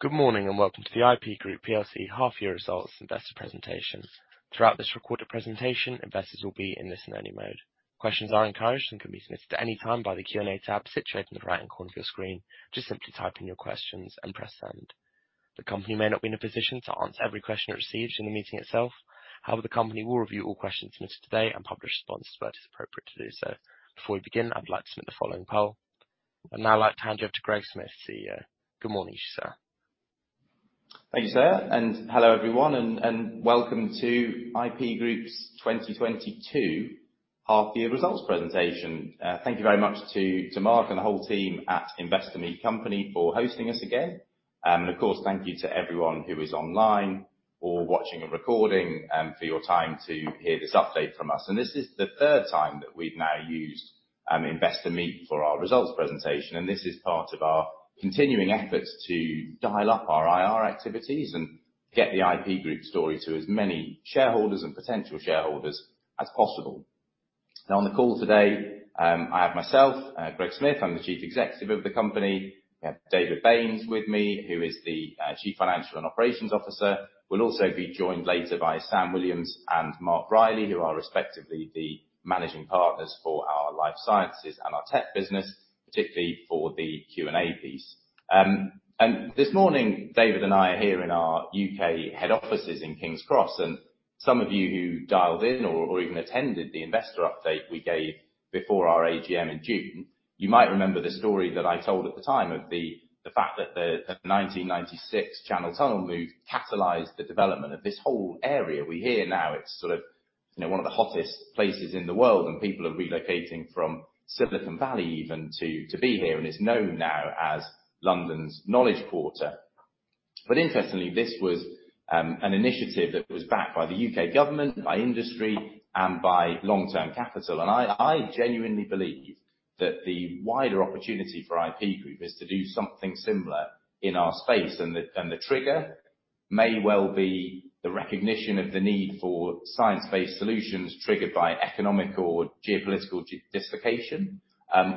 Good morning, and welcome to the IP Group plc Half Year Results Investor Presentation. Throughout this recorded presentation, investors will be in listen only mode. Questions are encouraged and can be submitted at any time by the Q&A tab situated in the right-hand corner of your screen. Just simply type in your questions and press send. The company may not be in a position to answer every question it receives in the meeting itself. However, the company will review all questions submitted today and publish responses where it is appropriate to do so. Before we begin, I'd like to submit the following poll. I'd now like to hand you over to Greg Smith, CEO. Good morning, sir. Thank you, sir, and hello everyone and welcome to IP Group's 2022 half year results presentation. Thank you very much to Mark and the whole team at Investor Meet Company for hosting us again. Of course, thank you to everyone who is online or watching a recording for your time to hear this update from us. This is the third time that we've now used Investor Meet for our results presentation, and this is part of our continuing efforts to dial up our IR activities and get the IP Group story to as many shareholders and potential shareholders as possible. Now, on the call today, I have myself, Greg Smith, I'm the Chief Executive of the company. We have David Baynes with me, who is the Chief Financial and Operations Officer. We'll also be joined later by Sam Williams and Mark Reilly, who are respectively the Managing Partners for our life sciences and our tech business, particularly for the Q&A piece. This morning, David and I are here in our U.K. head offices in King's Cross, and some of you who dialed in or even attended the investor update we gave before our AGM in June, you might remember the story that I told at the time of the fact that the 1996 Channel Tunnel move catalyzed the development of this whole area. We hear now it's sort of, you know, one of the hottest places in the world and people are relocating from Silicon Valley even to be here, and it's known now as London's Knowledge Quarter. Interestingly, this was an initiative that was backed by the U.K. government, by industry, and by long-term capital. I genuinely believe that the wider opportunity for IP Group is to do something similar in our space, and the trigger may well be the recognition of the need for science-based solutions triggered by economic or geopolitical dislocation,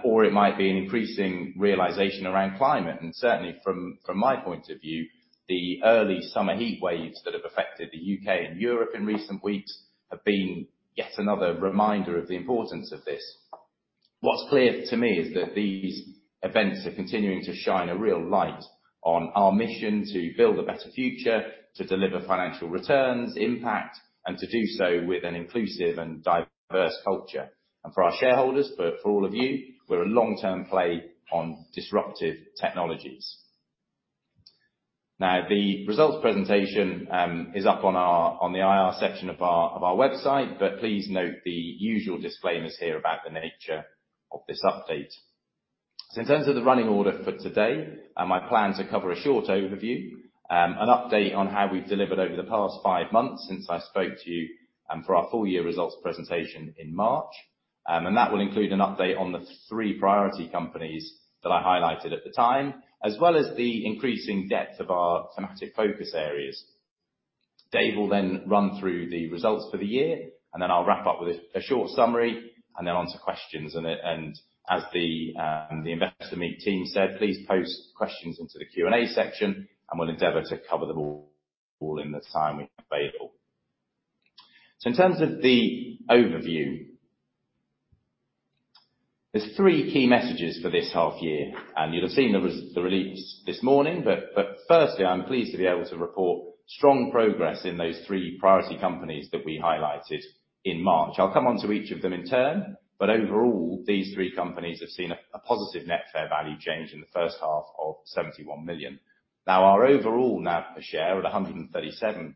or it might be an increasing realization around climate, and certainly from my point of view, the early summer heat waves that have affected the U.K. and Europe in recent weeks have been yet another reminder of the importance of this. What's clear to me is that these events are continuing to shine a real light on our mission to build a better future, to deliver financial returns, impact, and to do so with an inclusive and diverse culture. For our shareholders, for all of you, we're a long-term play on disruptive technologies. Now, the results presentation is up on the IR section of our website, but please note the usual disclaimers here about the nature of this update. In terms of the running order for today, I plan to cover a short overview, an update on how we've delivered over the past five months since I spoke to you for our full year results presentation in March. That will include an update on the three priority companies that I highlighted at the time, as well as the increasing depth of our thematic focus areas. Dave will then run through the results for the year, and then I'll wrap up with a short summary and then answer questions. As the Investor Meet team said, please post questions into the Q&A section and we'll endeavor to cover them all in the time we have available. In terms of the overview, there's three key messages for this half year, and you'll have seen the release this morning, but firstly, I'm pleased to be able to report strong progress in those three priority companies that we highlighted in March. I'll come on to each of them in turn, but overall, these three companies have seen a positive net fair value change in the first half of 71 million. Now, our overall NAV per share at 1.37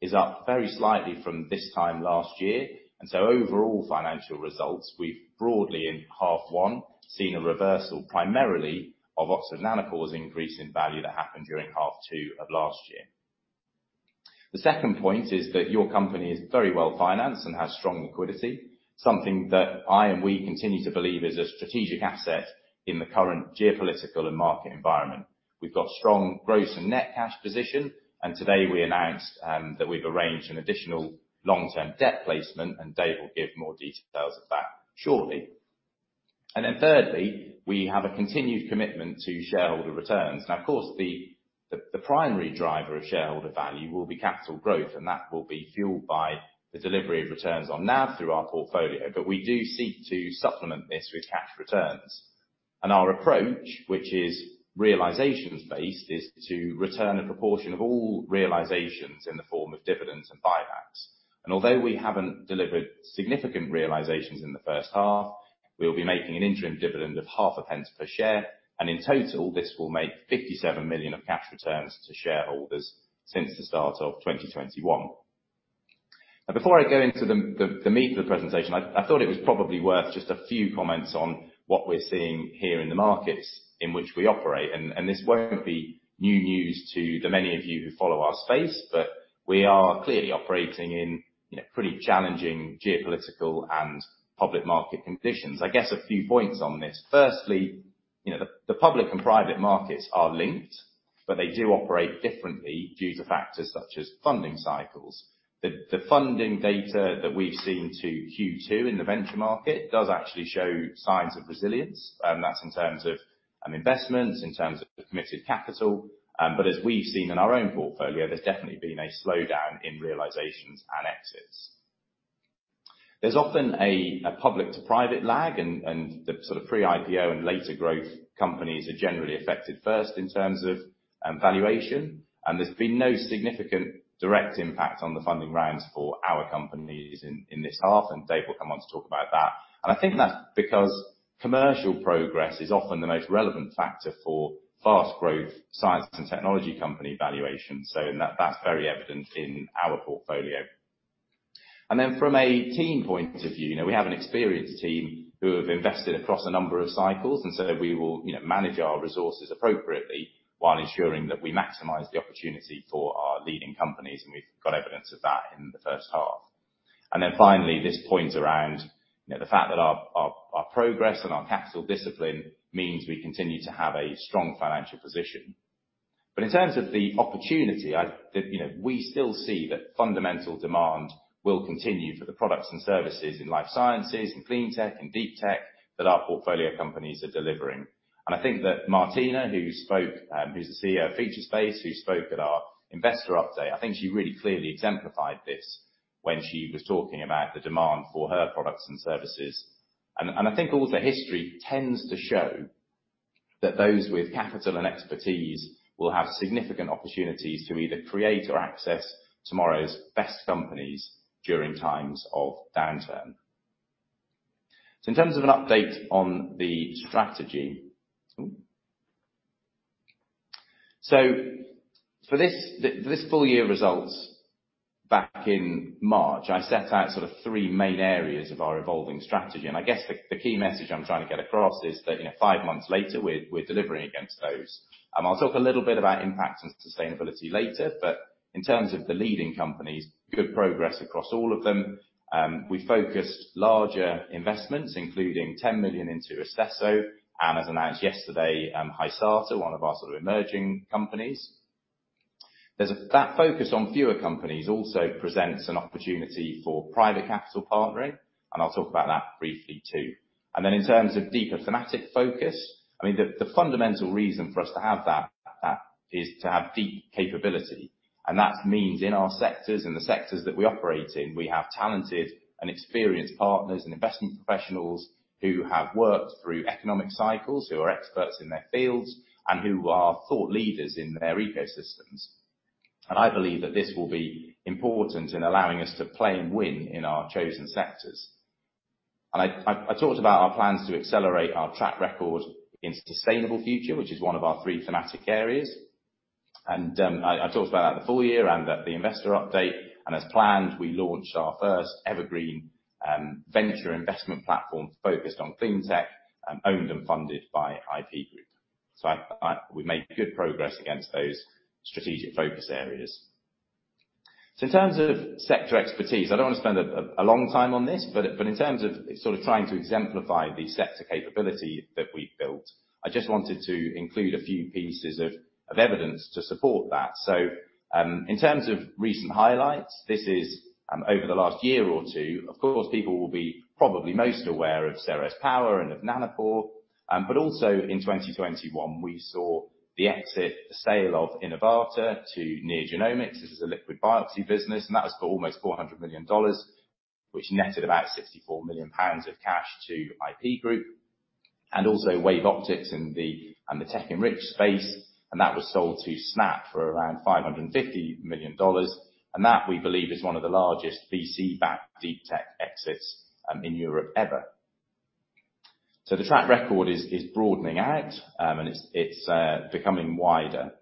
is up very slightly from this time last year, and so overall financial results, we've broadly in half one, seen a reversal primarily of Oxford Nanopore's increase in value that happened during half two of last year. The second point is that your company is very well-financed and has strong liquidity. Something that I and we continue to believe is a strategic asset in the current geopolitical and market environment. We've got strong gross and net cash position, and today we announced that we've arranged an additional long-term debt placement, and Dave will give more details of that shortly. Then thirdly, we have a continued commitment to shareholder returns. Now, of course, the primary driver of shareholder value will be capital growth, and that will be fueled by the delivery of returns on NAV through our portfolio, but we do seek to supplement this with cash returns. Our approach, which is realizations-based, is to return a proportion of all realizations in the form of dividends and buybacks. Although we haven't delivered significant realizations in the first half, we'll be making an interim dividend of GBP 0.005 per share, and in total, this will make 57 million of cash returns to shareholders since the start of 2021. Now before I go into the meat of the presentation, I thought it was probably worth just a few comments on what we're seeing here in the markets in which we operate. This won't be new news to the many of you who follow our space, but we are clearly operating in, you know, pretty challenging geopolitical and public market conditions. I guess a few points on this. Firstly. You know, the public and private markets are linked, but they do operate differently due to factors such as funding cycles. The funding data that we've seen to Q2 in the venture market does actually show signs of resilience, and that's in terms of investments, in terms of committed capital. But as we've seen in our own portfolio, there's definitely been a slowdown in realizations and exits. There's often a public to private lag and the sort of pre-IPO and later growth companies are generally affected first in terms of valuation. There's been no significant direct impact on the funding rounds for our companies in this half, and Dave will come on to talk about that. I think that's because commercial progress is often the most relevant factor for fast growth science and technology company valuation. That's very evident in our portfolio. Then from a team point of view, you know, we have an experienced team who have invested across a number of cycles, and so we will, you know, manage our resources appropriately while ensuring that we maximize the opportunity for our leading companies, and we've got evidence of that in the first half. Then finally, this point around, you know, the fact that our progress and our capital discipline means we continue to have a strong financial position. In terms of the opportunity, you know, we still see that fundamental demand will continue for the products and services in life sciences and clean tech and deep tech that our portfolio companies are delivering. I think that Martina, who spoke, who's the CEO of Featurespace, who spoke at our investor update, I think she really clearly exemplified this when she was talking about the demand for her products and services. I think all the history tends to show that those with capital and expertise will have significant opportunities to either create or access tomorrow's best companies during times of downturn. In terms of an update on the strategy. For this full year results back in March, I set out sort of three main areas of our evolving strategy. I guess the key message I'm trying to get across is that, you know, five months later, we're delivering against those. I'll talk a little bit about impact and sustainability later, but in terms of the leading companies, good progress across all of them. We focused larger investments, including 10 million into Istesso, and as announced yesterday, Hysata, one of our sort of emerging companies. That focus on fewer companies also presents an opportunity for private capital partnering, and I'll talk about that briefly too. Then in terms of deeper thematic focus, I mean the fundamental reason for us to have that is to have deep capability. That means in our sectors, in the sectors that we operate in, we have talented and experienced partners and investment professionals who have worked through economic cycles, who are experts in their fields, and who are thought leaders in their ecosystems. And I believe that this will be important and allowing us to claim win in our chosen sectors. I talked about our plans to accelerate our track record in sustainable future, which is one of our three thematic areas. I talked about that at the full year and at the investor update, and as planned, we launched our first evergreen venture investment platform focused on clean tech and owned and funded by IP Group. We made good progress against those strategic focus areas. In terms of sector expertise, I don't want to spend a long time on this, but in terms of sort of trying to exemplify the sector capability that we've built, I just wanted to include a few pieces of evidence to support that. In terms of recent highlights, this is over the last year or two. Of course, people will be probably most aware of Ceres Power and of Nanopore. But also, in 2021 we saw the exit sale of Inivata to NeoGenomics. This is a liquid biopsy business, and that was for almost $400 million, which netted about 64 million pounds of cash to IP Group. Also, WaveOptics in the Tech-enriched space, and that was sold to Snap for around $550 million. That, we believe, is one of the largest VC-backed deep tech exits in Europe ever. The track record is broadening out, and it's becoming wider.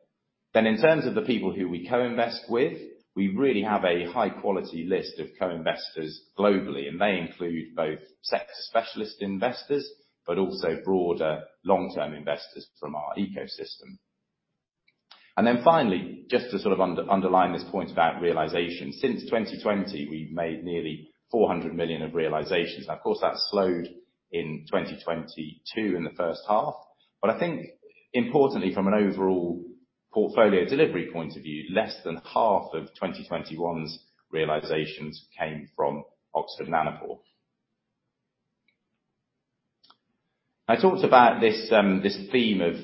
In terms of the people who we co-invest with, we really have a high-quality list of co-investors globally, and they include both sector specialist investors, but also broader long-term investors from our ecosystem. Finally, just to sort of underline this point about realization, since 2020, we've made nearly 400 million of realizations. Now, of course, that slowed in 2022 in the first half. I think importantly from an overall portfolio delivery point of view, less than half of 2021's realizations came from Oxford Nanopore. I talked about this theme of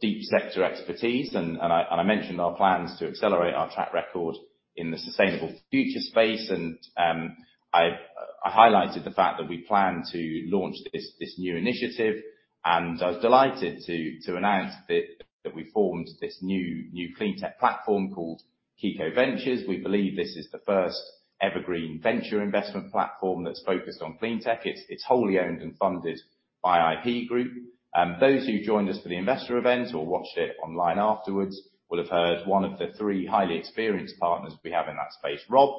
deep sector expertise, and I mentioned our plans to accelerate our track record in the sustainable future space. I highlighted the fact that we plan to launch this new initiative, and I was delighted to announce that we formed this new clean tech platform called Kiko Ventures. We believe this is the first evergreen venture investment platform that's focused on clean tech. It's wholly owned and funded by IP Group. Those who joined us for the investor event or watched it online afterwards will have heard one of the three highly experienced partners we have in that space, Rob,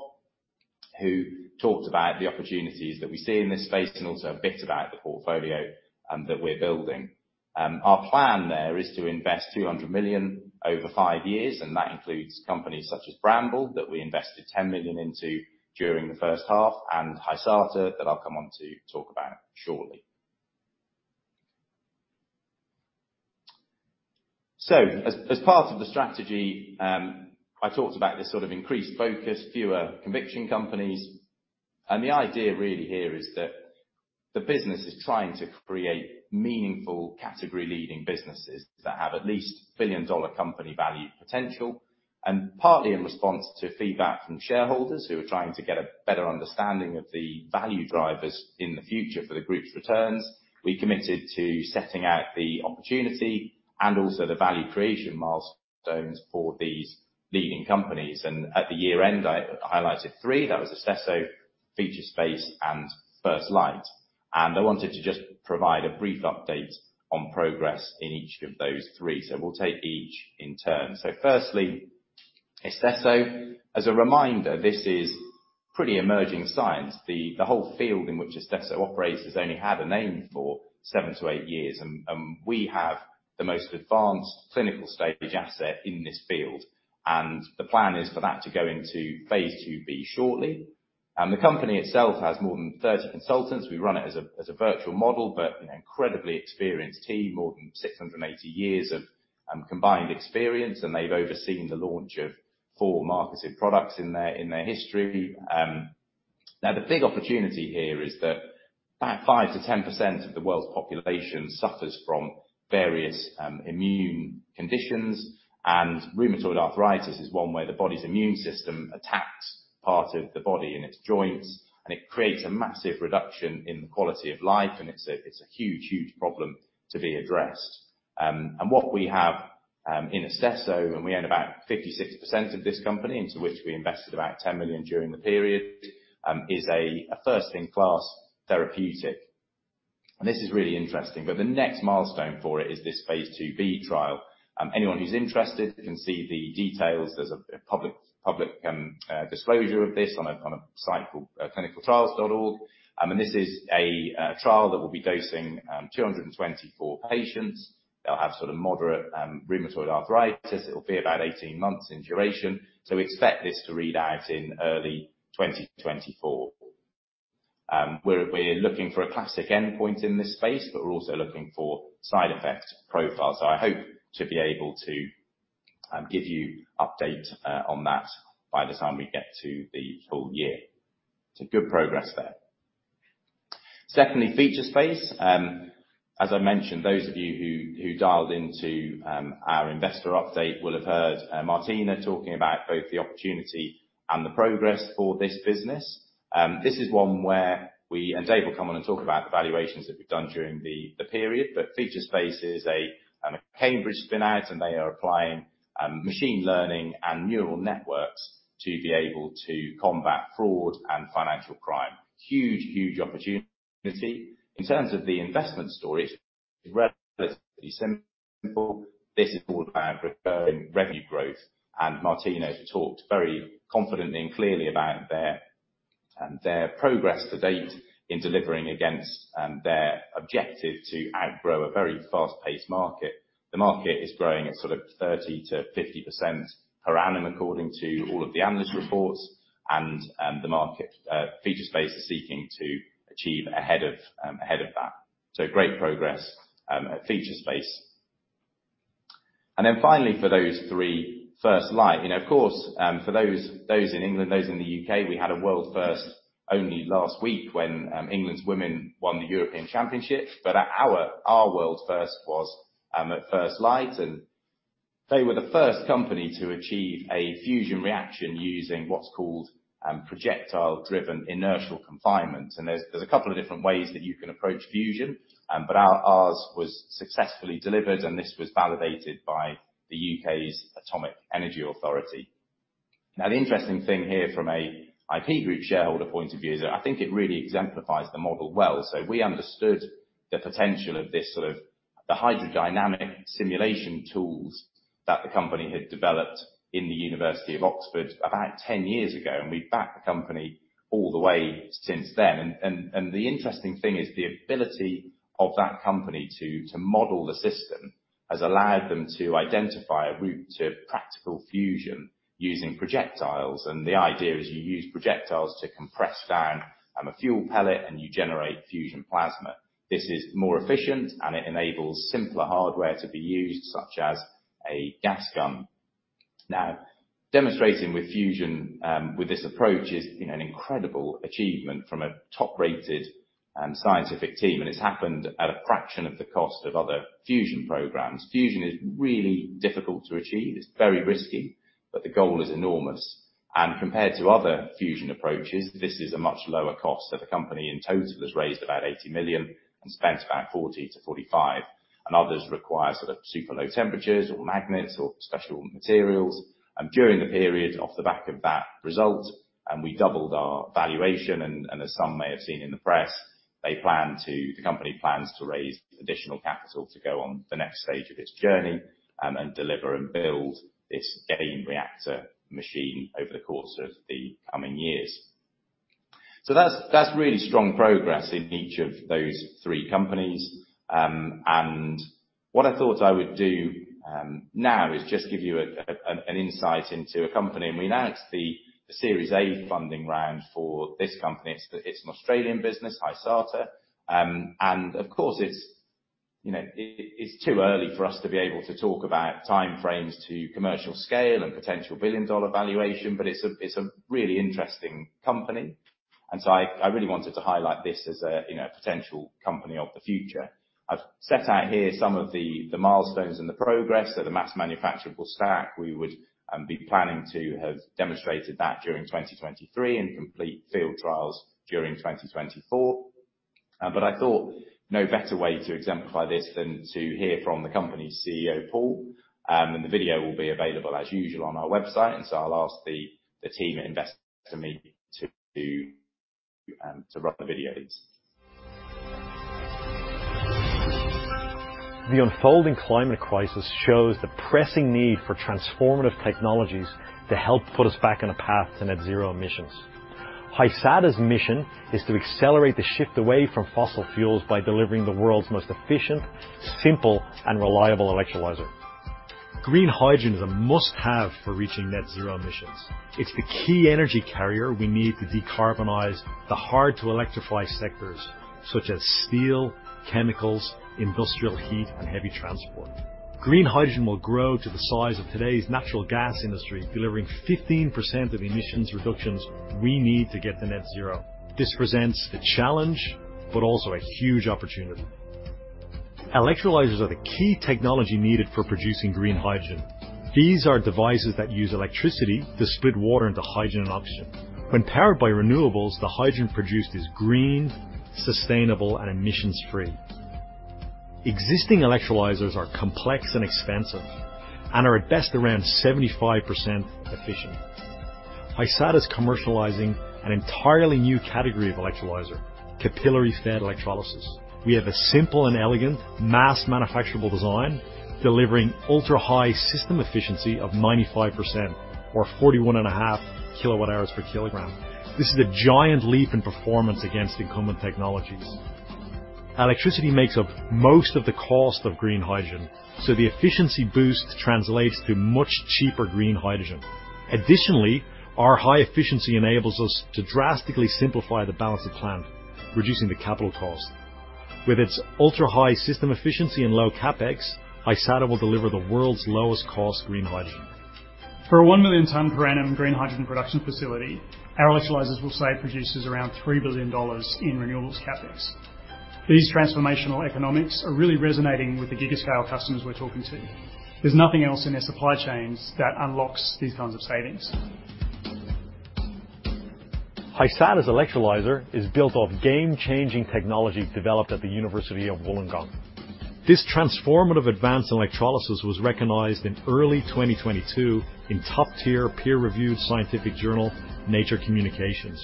who talked about the opportunities that we see in this space, and also a bit about the portfolio that we're building. Our plan there is to invest 200 million over 5 years, and that includes companies such as Bramble that we invested 10 million into during the first half and Hysata that I'll come on to talk about shortly. As part of the strategy, I talked about this sort of increased focus, fewer conviction companies. The idea really here is that the business is trying to create meaningful category leading businesses that have at least billion-dollar company value potential. Partly in response to feedback from shareholders who are trying to get a better understanding of the value drivers in the future for the group's returns, we committed to setting out the opportunity and also the value creation milestones for these leading companies. At the year-end, I highlighted three. That was Istesso, Featurespace, and First Light. I wanted to just provide a brief update on progress in each of those three. We'll take each in turn. Firstly, Istesso. As a reminder, this is pretty emerging science. The whole field in which Istesso operates has only had a name for 7-8 years. We have the most advanced clinical stage asset in this field, and the plan is for that to go into phase 2b shortly. The company itself has more than 30 consultants. We run it as a virtual model, but an incredibly experienced team, more than 680 years of combined experience. They've overseen the launch of 4 marketed products in their history. Now the big opportunity here is that about 5%-10% of the world's population suffers from various immune conditions. Rheumatoid arthritis is one where the body's immune system attacks part of the body in its joints, and it creates a massive reduction in the quality of life. It's a huge problem to be addressed. What we have in Istesso, and we own about 56% of this company, into which we invested about 10 million during the period, is a first-in-class therapeutic. This is really interesting. The next milestone for it is this phase 2b trial. Anyone who's interested can see the details. There's a public disclosure of this on a site called ClinicalTrials.gov. This is a trial that will be dosing 224 patients. They'll have sort of moderate rheumatoid arthritis. It'll be about 18 months in duration, so we expect this to read out in early 2024. We're looking for a classic endpoint in this space, but we're also looking for side effect profile. I hope to be able to give you update on that by the time we get to the full year. Good progress there. Secondly, Featurespace. As I mentioned, those of you who dialed into our investor update will have heard Martina talking about both the opportunity and the progress for this business. This is one where Dave will come on and talk about the valuations that we've done during the period, but Featurespace is a Cambridge spin-out, and they are applying machine learning and neural networks to be able to combat fraud and financial crime. Huge opportunity. In terms of the investment story, it's relatively simple. This is all about recurring revenue growth, and Martina talked very confidently and clearly about their progress to date in delivering against their objective to outgrow a very fast-paced market. The market is growing at sort of 30%-50% per annum, according to all of the analyst reports. The market Featurespace is seeking to achieve ahead of that. Great progress at Featurespace. Then finally, for those three, First Light. You know, of course, for those in England, those in the U.K., we had a world first only last week when England's women won the European Championship. Our world first was at First Light, and they were the first company to achieve a fusion reaction using what's called projectile-driven inertial confinement. There's a couple of different ways that you can approach fusion, but ours was successfully delivered, and this was validated by the U.K. Atomic Energy Authority. Now, the interesting thing here from a IP Group shareholder point of view is that I think it really exemplifies the model well. We understood the potential of the hydrodynamic simulation tools that the company had developed in the University of Oxford about 10 years ago, and we backed the company all the way since then. The interesting thing is the ability of that company to model the system has allowed them to identify a route to practical fusion using projectiles. The idea is you use projectiles to compress down a fuel pellet, and you generate fusion plasma. This is more efficient, and it enables simpler hardware to be used, such as a gas gun. Now, demonstrating with fusion with this approach is, you know, an incredible achievement from a top-rated scientific team, and it's happened at a fraction of the cost of other fusion programs. Fusion is really difficult to achieve. It's very risky, but the goal is enormous. Compared to other fusion approaches, this is a much lower cost. The company in total has raised about 80 million and spent about 40-45 million, and others require sort of super low temperatures or magnets or special materials. During the period, off the back of that result, we doubled our valuation, and as some may have seen in the press, the company plans to raise additional capital to go on the next stage of its journey, and deliver and build this gain reactor machine over the course of the coming years. That's really strong progress in each of those three companies. What I thought I would do now is just give you an insight into a company, and we announced the series A funding round for this company. It's an Australian business, Hysata. You know, it's too early for us to be able to talk about timeframes to commercial scale and potential billion-dollar valuation, but it's a really interesting company. I really wanted to highlight this as a, you know, potential company of the future. I've set out here some of the milestones and the progress. The mass manufacturable stack we would be planning to have demonstrated that during 2023 and complete field trials during 2024. I thought no better way to exemplify this than to hear from the company's CEO, Paul. The video will be available as usual on our website. I'll ask the team at Investor Meet Company to run the videos. The unfolding climate crisis shows the pressing need for transformative technologies to help put us back on a path to net zero emissions. Hysata's mission is to accelerate the shift away from fossil fuels by delivering the world's most efficient, simple and reliable electrolyzer. Green hydrogen is a must-have for reaching net zero emissions. It's the key energy carrier we need to decarbonize the hard to electrify sectors such as steel, chemicals, industrial heat and heavy transport. Green hydrogen will grow to the size of today's natural gas industry, delivering 15% of emissions reductions we need to get to net zero. This presents a challenge, but also a huge opportunity. Electrolyzers are the key technology needed for producing green hydrogen. These are devices that use electricity to split water into hydrogen and oxygen. When powered by renewables, the hydrogen produced is green, sustainable and emissions free. Existing electrolyzers are complex and expensive and are at best around 75% efficient. Hysata's commercializing an entirely new category of electrolyzer, capillary fed electrolysis. We have a simple and elegant mass manufacturable design, delivering ultra-high system efficiency of 95% or 41.5 kWh per kg. This is a giant leap in performance against incumbent technologies. Electricity makes up most of the cost of green hydrogen, so the efficiency boost translates to much cheaper green hydrogen. Additionally, our high efficiency enables us to drastically simplify the balance of plant, reducing the capital cost. With its ultra-high system efficiency and low CapEx, Hysata will deliver the world's lowest cost green hydrogen. For a 1 million ton per annum green hydrogen production facility, our electrolyzers will save producers around $3 billion in renewables CapEx. These transformational economics are really resonating with the gigascale customers we're talking to. There's nothing else in their supply chains that unlocks these kinds of savings. Hysata's electrolyzer is built off game-changing technology developed at the University of Wollongong. This transformative advance in electrolysis was recognized in early 2022 in top-tier peer-reviewed scientific journal, Nature Communications.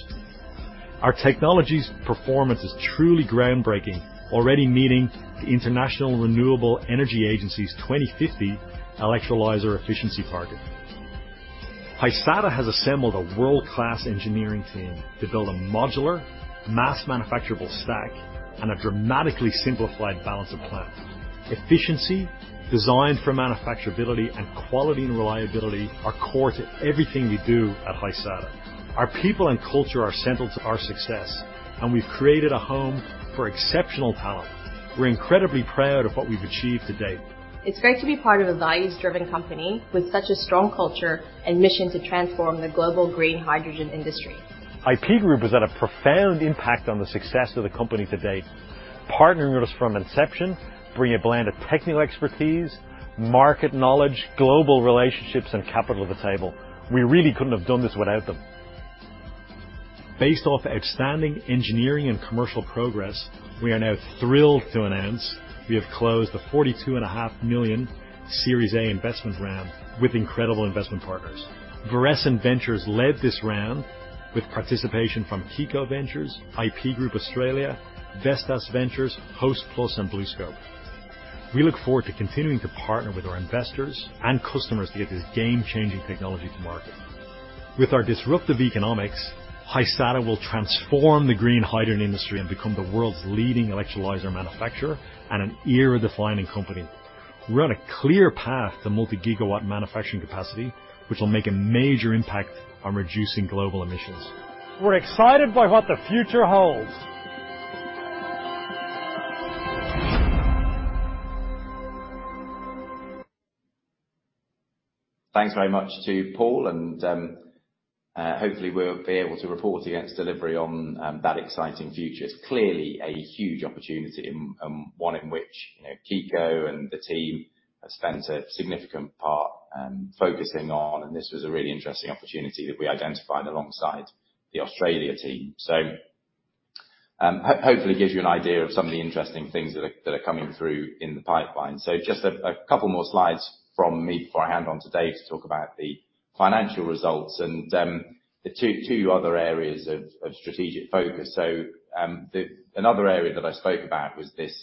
Our technology's performance is truly groundbreaking, already meeting the International Renewable Energy Agency's 2050 electrolyzer efficiency target. Hysata has assembled a world-class engineering team to build a modular mass-manufacturable stack and a dramatically simplified balance of plant. Efficiency, designed for manufacturability and quality and reliability, are core to everything we do at Hysata. Our people and culture are central to our success, and we've created a home for exceptional talent. We're incredibly proud of what we've achieved to date. It's great to be part of a values-driven company with such a strong culture and mission to transform the global green hydrogen industry. IP Group has had a profound impact on the success of the company to date, partnering with us from inception, bringing a blend of technical expertise, market knowledge, global relationships and capital to the table. We really couldn't have done this without them. Based off outstanding engineering and commercial progress, we are now thrilled to announce we have closed the 42.5 million Series A investment round with incredible investment partners. Virescent Ventures led this round with participation from Kiko Ventures, IP Group Australia, Vestas Ventures, Hostplus and BlueScope. We look forward to continuing to partner with our investors and customers to get this game-changing technology to market. With our disruptive economics, Hysata will transform the green hydrogen industry and become the world's leading electrolyzer manufacturer and an era-defining company. We're on a clear path to multi-gigawatt manufacturing capacity, which will make a major impact on reducing global emissions. We're excited by what the future holds. Thanks very much to Paul and hopefully we'll be able to report against delivery on that exciting future. It's clearly a huge opportunity and one in which, you know, Kiko and the team have spent a significant part focusing on, and this was a really interesting opportunity that we identified alongside the Australia team. Hopefully gives you an idea of some of the interesting things that are coming through in the pipeline. Just a couple more slides from me before I hand over to Dave to talk about the financial results and the two other areas of strategic focus. Another area that I spoke about was this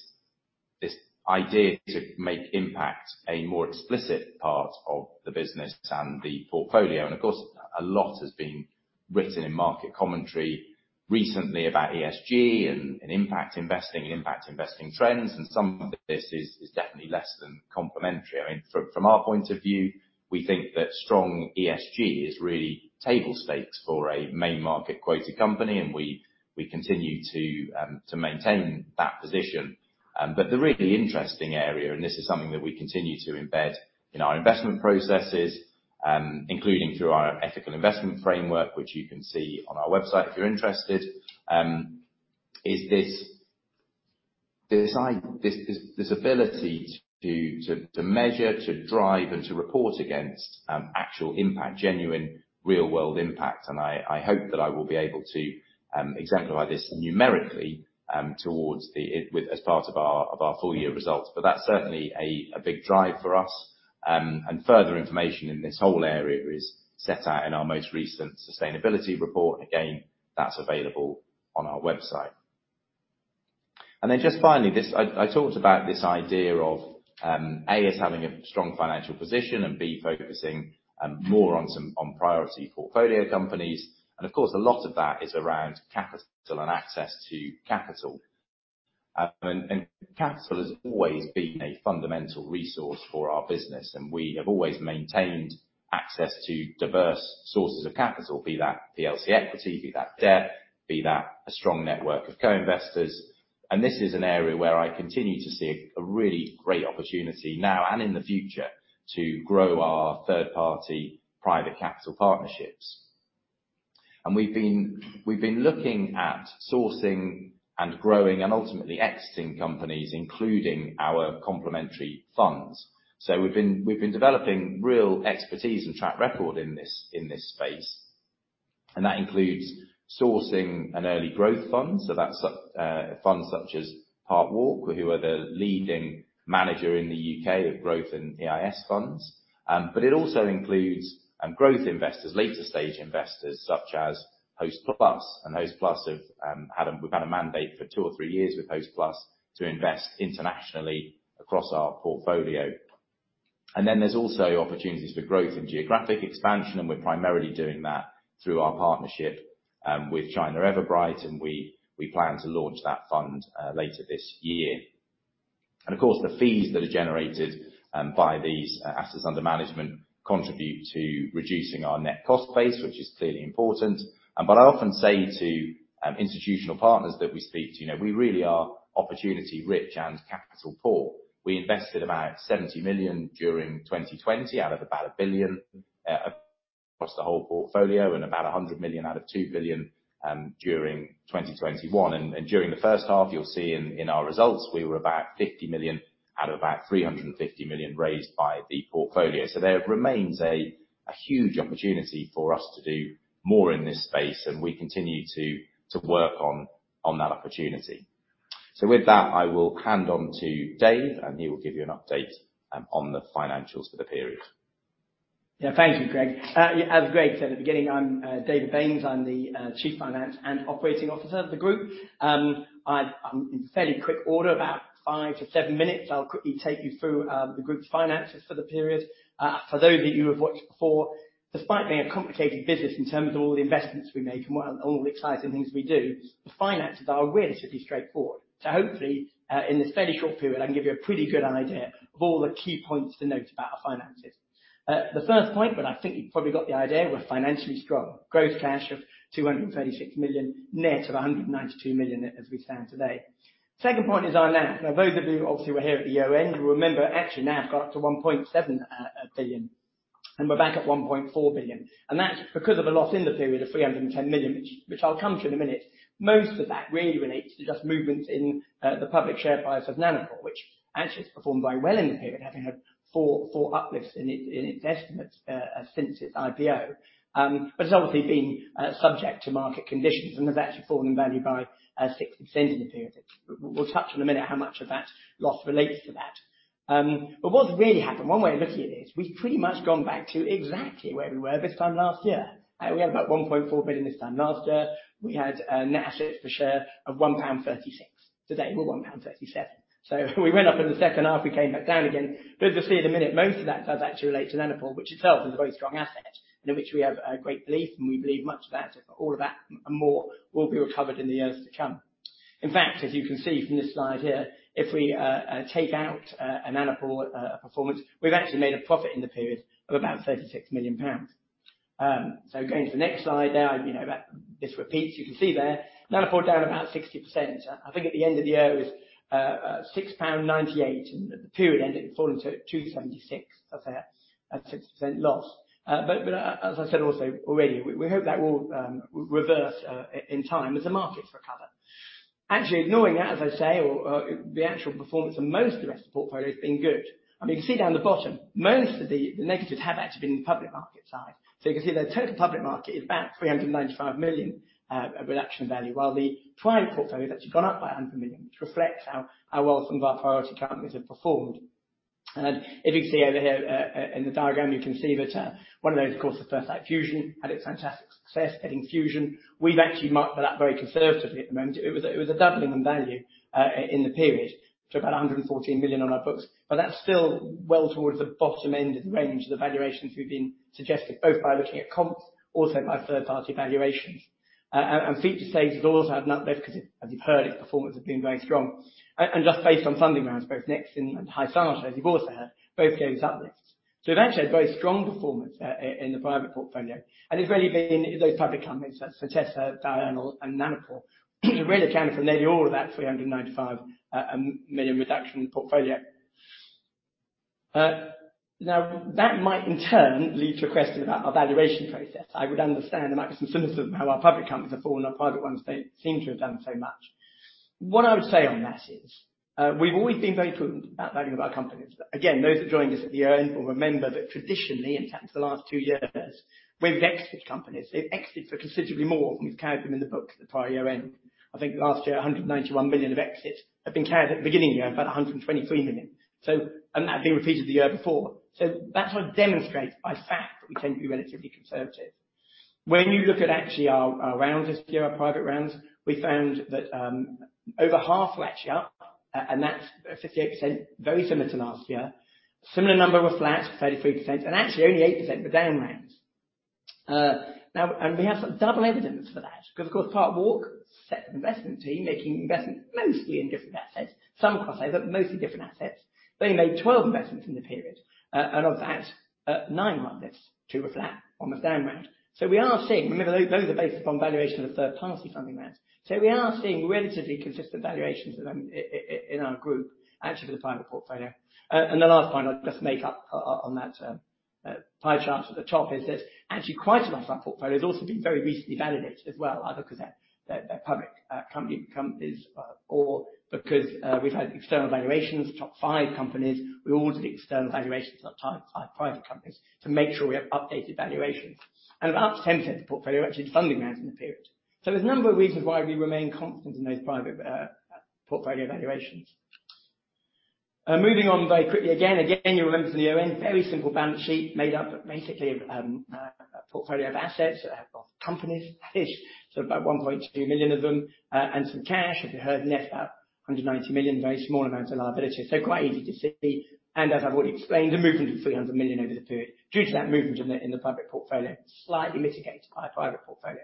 idea to make impact a more explicit part of the business and the portfolio, and of course, a lot has been written in market commentary recently about ESG and impact investing and impact investing trends, and some of this is definitely less than complimentary. I mean, from our point of view, we think that strong ESG is really table stakes for a main market quoted company, and we continue to maintain that position. But the really interesting area, and this is something that we continue to embed in our investment processes, including through our ethical investment framework, which you can see on our website if you're interested, is this ability to measure, to drive, and to report against actual impact, genuine real-world impact. I hope that I will be able to exemplify this numerically, as part of our full year results. But that's certainly a big drive for us. Further information in this whole area is set out in our most recent sustainability report. Again, that's available on our website. Then just finally this, I talked about this idea of A as having a strong financial position, and B focusing more on some priority portfolio companies. Of course, a lot of that is around capital and access to capital. Capital has always been a fundamental resource for our business, and we have always maintained access to diverse sources of capital, be that PLC equity, be that debt, be that a strong network of co-investors. This is an area where I continue to see a really great opportunity now and, in the future, to grow our third-party private capital partnerships. We've been looking at sourcing and growing and ultimately exiting companies, including our complementary funds. We've been developing real expertise and track record in this space, and that includes sourcing an early growth fund. That's funds such as Parkwalk, who are the leading manager in the U.K. of growth and EIS funds. It also includes growth investors, later stage investors such as Hostplus. We've had a mandate for two or three years with Hostplus to invest internationally across our portfolio. There's also opportunities for growth in geographic expansion, and we're primarily doing that through our partnership with China Everbright, and we plan to launch that fund later this year. Of course, the fees that are generated by these assets under management contribute to reducing our net cost base, which is clearly important. I often say to institutional partners that we speak to, you know, we really are opportunity rich and capital poor. We invested about 70 million during 2020 out of about 1 billion across the whole portfolio and about 100 million out of 2 billion during 2021. During the first half, you'll see in our results, we were about 50 million out of about 350 million raised by the portfolio. There remains a huge opportunity for us to do more in this space, and we continue to work on that opportunity. With that, I will hand over to Dave, and he will give you an update on the financials for the period. Yeah. Thank you, Greg. As Greg said at the beginning, I'm David Baynes. I'm the Chief Financial and Operations Officer of the group. I'm in fairly quick order, about 5-7 minutes, I'll quickly take you through the group's finances for the period. For those of you who have watched before, despite being a complicated business in terms of all the investments we make and all the exciting things we do, the finances are relatively straightforward. Hopefully, in this fairly short period, I can give you a pretty good idea of all the key points to note about our finances. The first point, but I think you've probably got the idea, we're financially strong. Gross cash of 236 million, net of 192 million as we stand today. Second point is our NAV. Now, those of you who obviously were here at the year-end, you'll remember actually NAV got up to 1.7 billion, and we're back at 1.4 billion. That's because of a loss in the period of 310 million, which I'll come to in a minute. Most of that really relates to just movements in the public share price of Nanopore, which actually it's performed very well in the period, having had 4 uplifts in its estimates since its IPO. But it's obviously been subject to market conditions and has actually fallen in value by 60% in the period. We'll touch in a minute how much of that loss relates to that. What's really happened, one way of looking at it is we've pretty much gone back to exactly where we were this time last year. We had about 1.4 billion this time last year. We had net assets per share of 1.36 pound. Today we're 1.37 pound. We went up in the second half, we came back down again. As you'll see in a minute, most of that does actually relate to Nanopore, which itself is a very strong asset, and in which we have a great belief, and we believe much of that, all of that and more will be recovered in the years to come. In fact, as you can see from this slide here, if we take out a Nanopore performance, we've actually made a profit in the period of about 36 million pounds. Going to the next slide there, you know, this repeats, you can see there Nanopore down about 60%. I think at the end of the year it was 6.98 pound, and at the period ended, it had fallen to 2.76. That's a 60% loss. As I said also already, we hope that will reverse in time as the markets recover. Actually, ignoring that, as I say, or the actual performance of most of the rest of the portfolio has been good. I mean, you can see down the bottom, most of the negatives have actually been in the public market side. You can see the total public market is about 395 million reduction value, while the private portfolio has actually gone up by 100 million, which reflects how well some of our priority companies have performed. If you can see over here, in the diagram, you can see that one of those, of course, is First Light Fusion, had its fantastic success in fusion. We've actually marked that very conservatively at the moment. It was a doubling in value in the period to about 114 million on our books, but that's still well towards the bottom end of the range of the valuations we've been suggesting, both by looking at comps, also by third-party valuations. Featurespace has also had an uplift because as you've heard, its performance has been very strong. Just based on funding rounds, both Nexeon and Hysata have also had both those uplifts. We've actually had very strong performance in the private portfolio, and it's really been those public companies such as Diurnal and Nanopore really accounting for nearly all of that 395 million reduction in the portfolio. Now that might in turn lead to a question about our valuation process. I would understand there might be some cynicism how our public companies have fallen, our private ones they seem to have done so much. What I would say on that is, we've always been very prudent about valuing our companies. Again, those that joined us at the year-end will remember that traditionally, in fact for the last two years, we've exited companies. We've exited for considerably more than we've carried them in the books at the prior year-end. I think last year, 191 million of exits have been carried at the beginning of the year, and about 123 million. That had been repeated the year before. That sort of demonstrates in fact that we tend to be relatively conservative. When you look at actually our rounds this year, our private rounds, we found that over half were actually up, and that's 58%, very similar to last year. Similar number were flat, 33%, and actually only 8% were down rounds. Now we have double evidence for that because, of course, Parkwalk's investment team making investments mostly in different assets, some crossovers, but mostly different assets. They made 12 investments in the period. And of that, nine were up, two were flat, one was down round. We are seeing. Remember, those are based upon valuation of third-party funding rounds. We are seeing relatively consistent valuations in our group, actually, for the private portfolio. The last point I'll just make up on that pie chart at the top is this. Actually, quite a lot of our portfolio has also been very recently validated as well, either because they're public companies or because we've had external valuations. Top five companies, we all did external valuations on the top five private companies to make sure we have updated valuations. About 10% of the portfolio actually is funding rounds in the period. There's a number of reasons why we remain confident in those private portfolio valuations. Moving on very quickly again. Again, you'll remember from the year-end, very simple balance sheet made up basically of a portfolio of assets of companies. About 1.2 million of them and some cash, as you heard, net about 190 million, very small amount of liabilities. Quite easy to see. As I've already explained, a movement of 300 million over the period due to that movement in the public portfolio, slightly mitigated by private portfolio.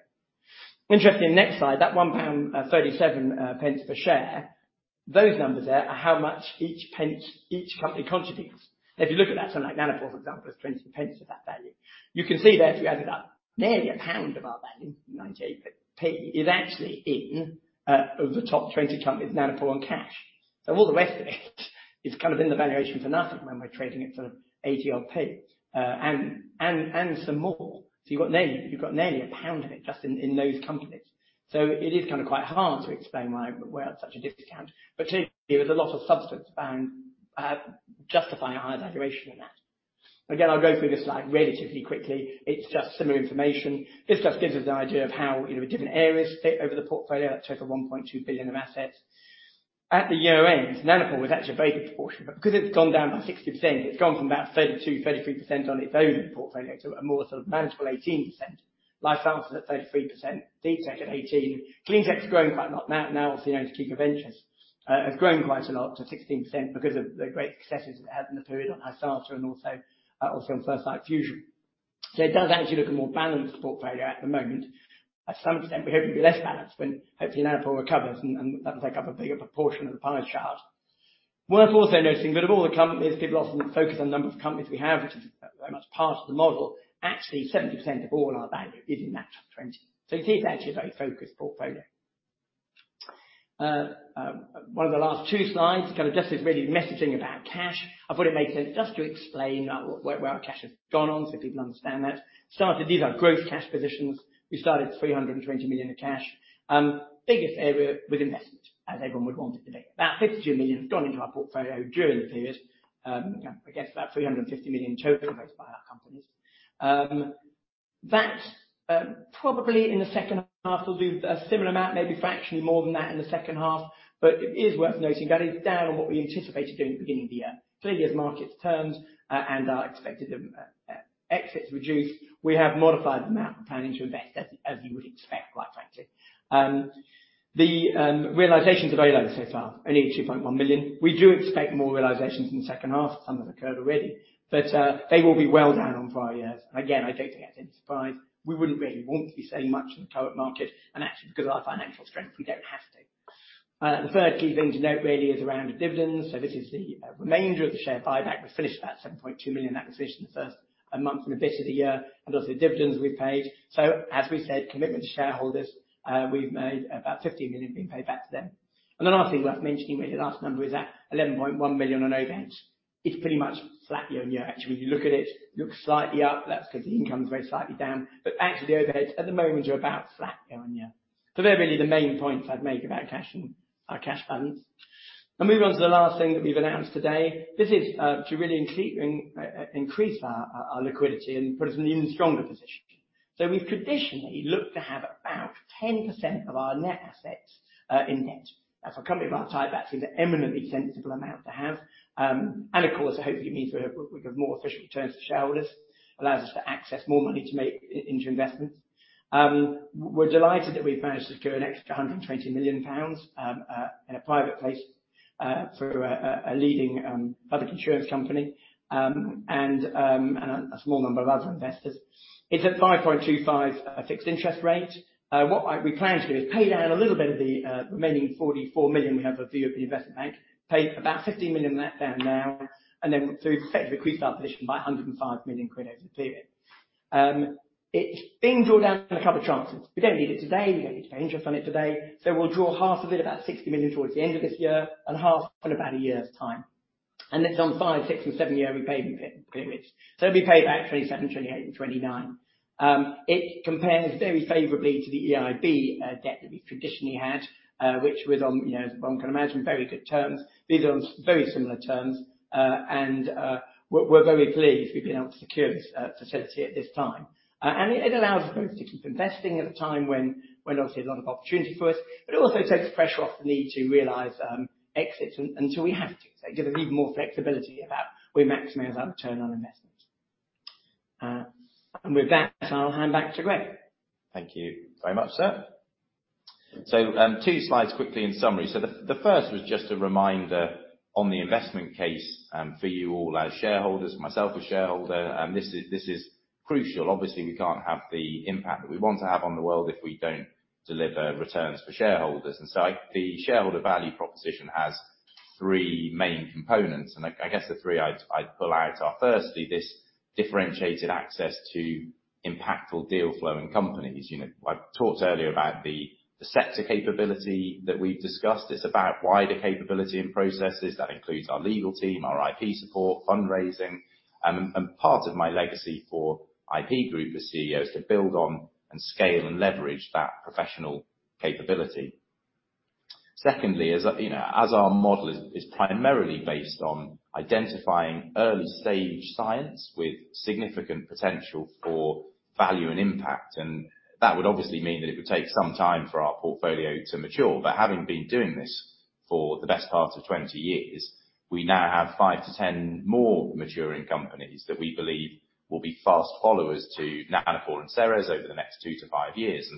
Interesting next slide, that 1.37 pound per share, those numbers there are how much each pence each company contributes. If you look at that, something like Nanopore, for example, is 0.20 of that value. You can see there, if you add it up, nearly a pound of our value, 0.98, is actually in the top 20 companies, Nanopore and cash. All the rest of it is kind of in the valuation for nothing when we're trading it for 0.80-odd p, and some more. You've got nearly GBP 1 in it just in those companies. It is kind of quite hard to explain why we're at such a discount. Clearly, there's a lot of substance justifying our valuation in that. Again, I'll go through this slide relatively quickly. It's just similar information. This just gives us an idea of how, you know, different areas fit over the portfolio. That total 1.2 billion of assets. At the year-end, Oxford Nanopore was actually a very good proportion, but because it's gone down by 60%, it's gone from about 32%-33% of its own portfolio to a more sort of manageable 18%. Life Sciences at 33%, Deep Tech at 18%. Clean Tech's grown quite a lot. Now obviously owned by Kiko Ventures, has grown quite a lot to 16% because of the great successes it had in the period on Hysata and also on First Light Fusion. It does actually look a more balanced portfolio at the moment. To some extent, we hope it will be less balanced when hopefully Nanopore recovers and that will take up a bigger proportion of the pie chart. Worth also noting that of all the companies, people often focus on the number of companies we have, which is very much part of the model. Actually, 70% of all our value is in that top 20. You can see it's actually a very focused portfolio. One of the last two slides kind of just is really messaging about cash. I thought it'd make sense just to explain where our cash has gone, so people understand that. These are growth cash positions. We started 320 million of cash. Biggest area with investment, as everyone would want it to be. About 52 million has gone into our portfolio during the period. I guess about 350 million total raised by our companies. That probably in the second half will do a similar amount, maybe fractionally more than that in the second half. It is worth noting that is down on what we anticipated doing at the beginning of the year. Clearly, as markets turned, and our expected exits reduced, we have modified the amount we're planning to invest as you would expect, quite frankly. The realizations are very low so far, only 2.1 million. We do expect more realizations in the second half. Some have occurred already, but they will be well down on prior years. Again, I don't think that's any surprise. We wouldn't really want to be selling much in the current market, and actually because of our financial strength, we don't have to. The third key thing to note really is around the dividends. This is the remainder of the share buyback. We finished about 7.2 million of that position the first month and a bit of the year, and also the dividends we paid. As we said, commitment to shareholders, we've made about 50 million being paid back to them. The last thing worth mentioning, really, the last number is that 11.1 million on overheads is pretty much flat year-on-year. Actually, when you look at it looks slightly up. That's because the income's very slightly down. Actually, the overheads at the moment are about flat year-on-year. They're really the main points I'd make about cash and our cash patterns. I'll move on to the last thing that we've announced today. This is to really increase our liquidity and put us in an even stronger position. We've traditionally looked to have about 10% of our net assets in net. As a company of our type, that seems an eminently sensible amount to have. Of course, it hopefully means we have more efficient returns to shareholders, allows us to access more money to make into investments. We're delighted that we've managed to secure an extra 120 million pounds in a private placement through a leading public insurance company and a small number of other investors. It's at 5.25% fixed interest rate. We plan to do is pay down a little bit of the remaining 44 million we have with the European Investment Bank, pay about 50 million of that down now, and then to effectively increase our position by 105 million quid over the period. It's being drawn down on a couple of tranches. We don't need it today, we don't need to pay interest on it today, so we'll draw half of it, about 60 million towards the end of this year, and half in about a year's time. It's on five-, six- and seven-year repayment periods. It'll be paid back 2027, 2028 and 2029. It compares very favorably to the EIB debt that we traditionally had, which was on, you know, as one can imagine, very good terms. These are on very similar terms. We're very pleased we've been able to secure this facility at this time. It allows us both to keep investing at a time when obviously a lot of opportunity for us, but it also takes pressure off the need to realize exits until we have to. It gives us even more flexibility about we maximize our return on investment. With that, I'll hand back to Greg. Thank you very much, sir. Two slides quickly in summary. The first was just a reminder on the investment case for you all as shareholders, myself as shareholder, and this is crucial. Obviously, we can't have the impact that we want to have on the world if we don't deliver returns for shareholders. The shareholder value proposition has three main components, and I guess the three I'd pull out are firstly, this differentiated access to impactful deal flow in companies. You know, I talked earlier about the sector capability that we've discussed. It's about wider capability and processes. That includes our legal team, our IP support, fundraising. Part of my legacy for IP Group as CEO is to build on and scale and leverage that professional capability. Secondly, you know, as our model is primarily based on identifying early stage science with significant potential for value and impact, and that would obviously mean that it would take some time for our portfolio to mature. Having been doing this for the best part of 20 years, we now have five to ten more maturing companies that we believe will be fast followers to Nanopore and Ceres over the next two to five years.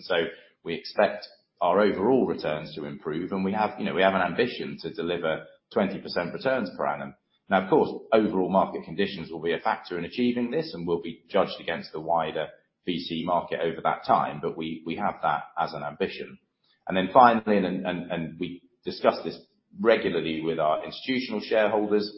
We expect our overall returns to improve. We have, you know, we have an ambition to deliver 20% returns per annum. Now, of course, overall market conditions will be a factor in achieving this, and we'll be judged against the wider VC market over that time, but we have that as an ambition. We discuss this regularly with our institutional shareholders.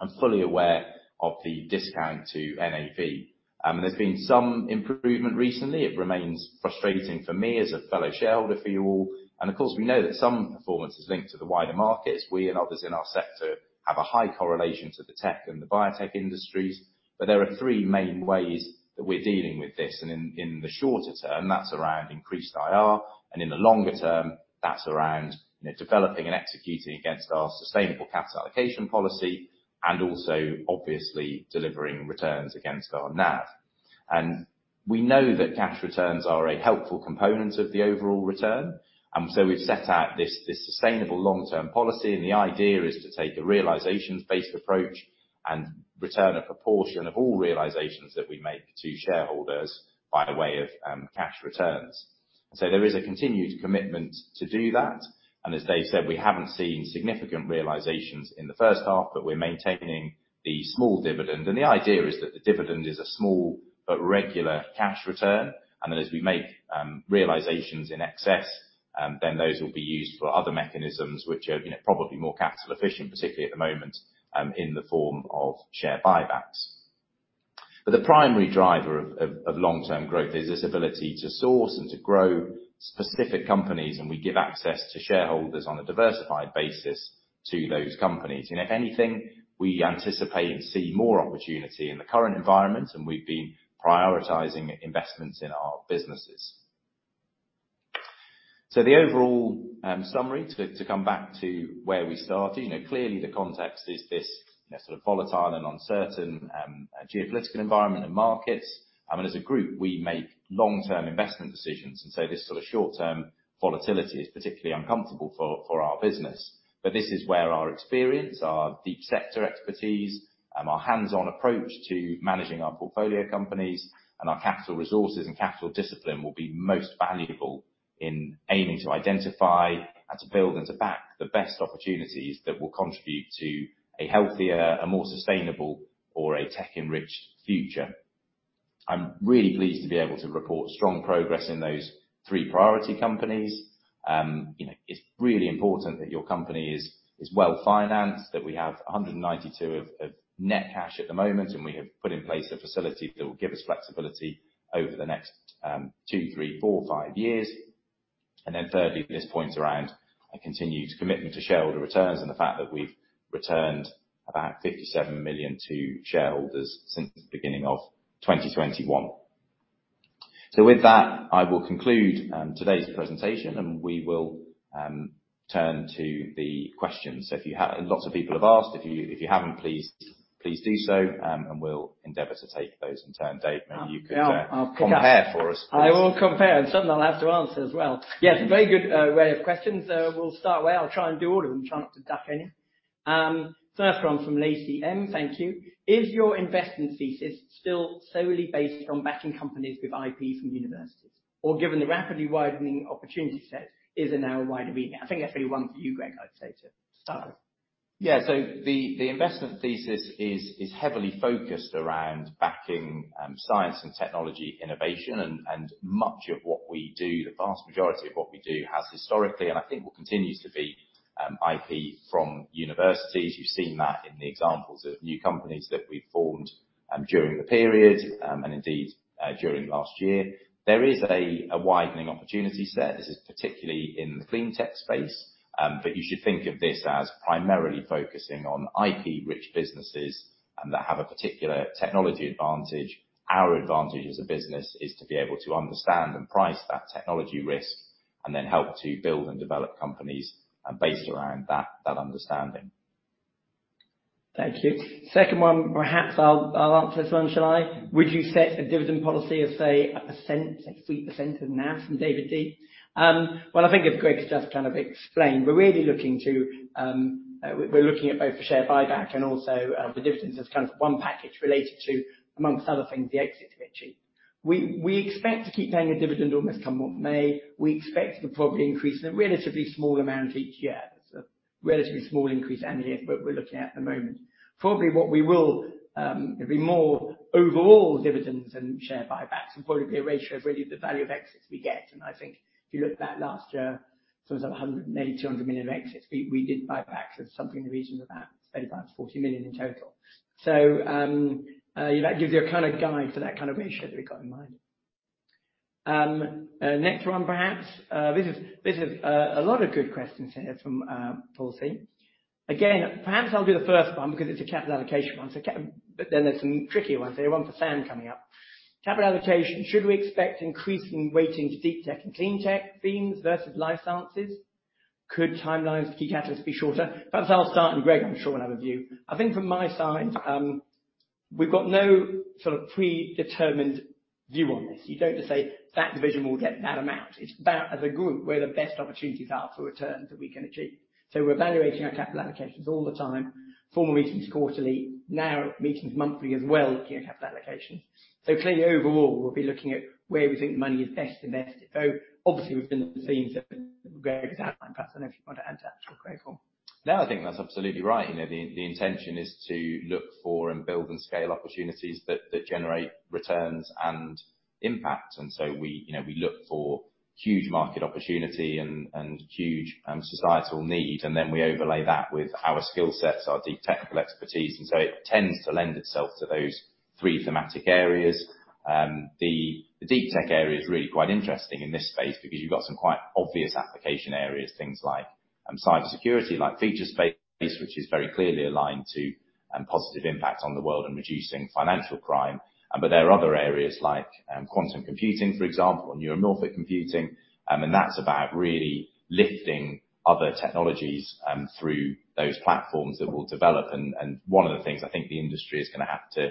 I'm fully aware of the discount to NAV. There's been some improvement recently. It remains frustrating for me as a fellow shareholder, for you all, and of course we know that some performance is linked to the wider markets. We and others in our sector have a high correlation to the tech and the biotech industries. There are three main ways that we are dealing with this. In the shorter term, that's around increased IR, and in the longer term, that's around, you know, developing and executing against our sustainable capital allocation policy, and also obviously delivering returns against our NAV. We know that cash returns are a helpful component of the overall return, so we've set out this sustainable long-term policy, and the idea is to take a realizations-based approach and return a proportion of all realizations that we make to shareholders by way of cash returns. There is a continued commitment to do that, and as Dave said, we haven't seen significant realizations in the first half, but we are maintaining the small dividend. The idea is that the dividend is a small but regular cash return, and then as we make realizations in excess, then those will be used for other mechanisms which are, you know, probably more capital efficient, particularly at the moment, in the form of share buybacks. The primary driver of long-term growth is this ability to source and to grow specific companies, and we give access to shareholders on a diversified basis to those companies. If anything, we anticipate and see more opportunity in the current environment, and we've been prioritizing investments in our businesses. The overall summary to come back to where we started, you know, clearly the context is this, you know, sort of volatile and uncertain geopolitical environment and markets. I mean, as a group, we make long-term investment decisions, and this sort of short-term volatility is particularly uncomfortable for our business. This is where our experience, our deep sector expertise, our hands-on approach to managing our portfolio companies and our capital resources and capital discipline will be most valuable in aiming to identify and to build and to back the best opportunities that will contribute to a healthier and more sustainable or a tech-enriched future. I'm really pleased to be able to report strong progress in those three priority companies. You know, it's really important that your company is well-financed, that we have 192 million of net cash at the moment, and we have put in place a facility that will give us flexibility over the next two, three, four, five years. Thirdly, this points around a continued commitment to shareholder returns and the fact that we've returned about 57 million to shareholders since the beginning of 2021. With that, I will conclude today's presentation, and we will turn to the questions. If you have. Lots of people have asked. If you haven't, please do so, and we'll endeavor to take those in turn. Dave, maybe you could compare for us, please. I will compare, and some I'll have to answer as well. Yes, very good wealth of questions. We'll start away. I'll try and do all of them, try not to duck any. First one from Lacey M., thank you. Is your investment thesis still solely based on backing companies with IP from universities? Or given the rapidly widening opportunity set is it now a wider arena? I think that's really one for you, Greg. I'd say to start with. Yeah. The investment thesis is heavily focused around backing science and technology innovation and much of what we do, the vast majority of what we do has historically, and I think will continue to be IP from universities. You've seen that in the examples of new companies that we formed during the period and indeed during last year. There is a widening opportunity set. This is particularly in the clean tech space, but you should think of this as primarily focusing on IP-rich businesses and that have a particular technology advantage. Our advantage as a business is to be able to understand and price that technology risk and then help to build and develop companies based around that understanding. Thank you. Second one, perhaps I'll answer this one, shall I? Would you set a dividend policy of, say, a percent, say 3% of NAV, from David D. Well, I think as Greg has just kind of explained, we're really looking at both the share buyback and also the dividends as kind of one package related to, among other things, the exit committee. We expect to keep paying a dividend almost come what may. We expect to probably increase it a relatively small amount each year. It's a relatively small increase annually is what we're looking at the moment. Probably it'll be more overall dividends and share buybacks and probably a ratio of really the value of exits we get. I think if you look back last year, some sort of 100 million, maybe 200 million of exits, we did buybacks of something in the region of about 35-40 million in total. That gives you a kind of guide for that kind of ratio that we've got in mind. Next one perhaps. This is a lot of good questions here from Paul C. Again, perhaps I'll do the first one because it's a capital allocation one, but then there's some trickier ones. There's one for Sam coming up. Capital allocation, should we expect increasing weighting to deep tech and clean tech themes versus life sciences? Could timelines for key catalysts be shorter? Perhaps I'll start, and Greg, I'm sure, will have a view. I think from my side, we've got no sort of predetermined view on this. You don't just say, "That division will get that amount." It's about, as a group, where the best opportunities are for returns that we can achieve. We're evaluating our capital allocations all the time. Formerly meetings quarterly, now we're meeting monthly as well, looking at capital allocation. Clearly overall, we'll be looking at where we think money is best invested. Obviously we've been seeing sort of where it's at like that. I don't know if you want to add to that at all, Greg, or. No, I think that's absolutely right. You know, the intention is to look for and build and scale opportunities that generate returns and impact. We, you know, we look for huge market opportunity and huge societal need, and then we overlay that with our skill sets, our deep technical expertise. It tends to lend itself to those three thematic areas. The deep tech area is really quite interesting in this space because you've got some quite obvious application areas, things like cybersecurity, like Featurespace, which is very clearly aligned to positive impact on the world and reducing financial crime. There are other areas like quantum computing, for example, neuromorphic computing, and that's about really lifting other technologies through those platforms that we'll develop. One of the things I think the industry is going to have to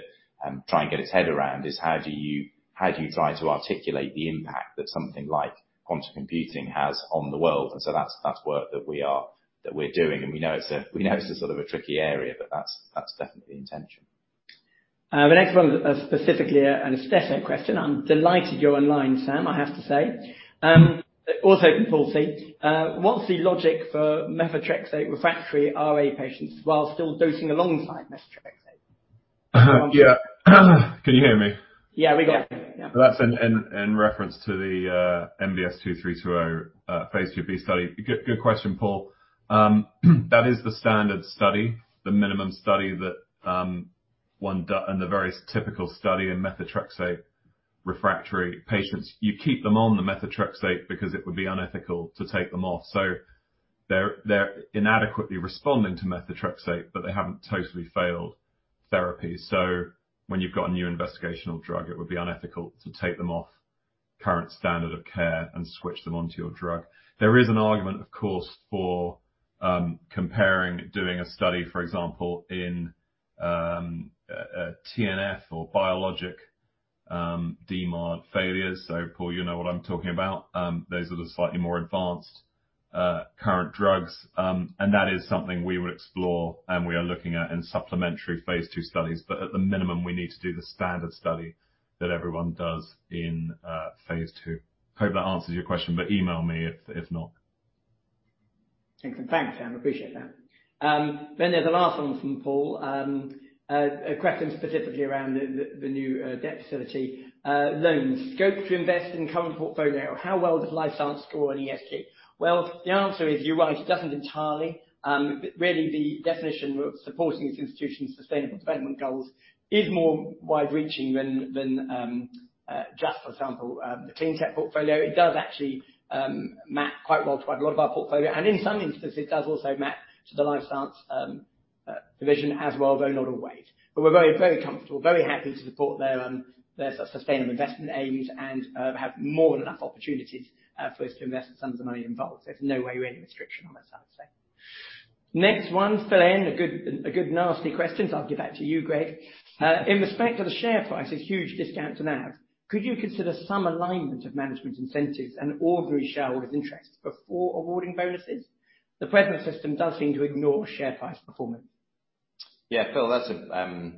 try and get its head around is how do you try to articulate the impact that something like quantum computing has on the world? That's work that we're doing. We know it's a sort of a tricky area, but that's definitely the intention. The next one is specifically an Istesso question. I'm delighted you're online, Sam, I have to say. Also from Paul C. What's the logic for methotrexate refractory RA patients while still dosing alongside methotrexate? Yeah. Can you hear me? Yeah, we got you. Yeah. That's in reference to the MBS2320 Phase 2b study. Good question, Paul. That is the standard study, the minimum study, and the very typical study in methotrexate refractory patients. You keep them on the methotrexate because it would be unethical to take them off. They're inadequately responding to methotrexate, but they haven't totally failed therapy. When you've got a new investigational drug, it would be unethical to take them off current standard of care and switch them onto your drug. There is an argument, of course, for comparing doing a study, for example, in a TNF or biologic DMARD failures. Paul, you know what I'm talking about. Those are the slightly more advanced current drugs. That is something we would explore, and we are looking at in supplementary phase 2 studies. At the minimum, we need to do the standard study that everyone does in phase 2. Hope that answers your question, but email me if not. Excellent. Thanks, Sam. Appreciate that. Then there's a last one from Paul. A question specifically around the new debt facility loans. Scope to invest in current portfolio. How well does life science score on ESG? Well, the answer is, you're right, it doesn't entirely. Really the definition of supporting this institution's Sustainable Development Goals is more wide-reaching than just, for example, the clean tech portfolio. It does actually map quite well to quite a lot of our portfolio. In some instances, it does also map to the life science division as well, though not always. We're very comfortable, very happy to support their sustainable investment aims and have more than enough opportunities for us to invest the sums of money involved. There's no real restriction on that side, I'd say. Next one, Phil N. A good nasty question, so I'll give that to you, Greg. In respect of the share price, a huge discount to NAV, could you consider some alignment of management incentives and ordinary shareholders' interests before awarding bonuses? The present system does seem to ignore share price performance. Yeah. Phil, that's a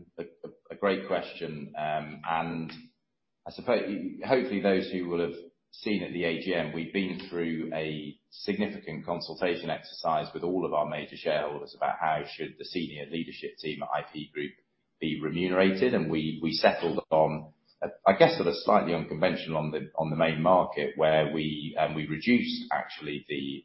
great question. Hopefully, those who will have seen at the AGM, we've been through a significant consultation exercise with all of our major shareholders about how should the senior leadership team at IP Group be remunerated, and we settled on, I guess, a slightly unconventional on the main market where we reduced actually the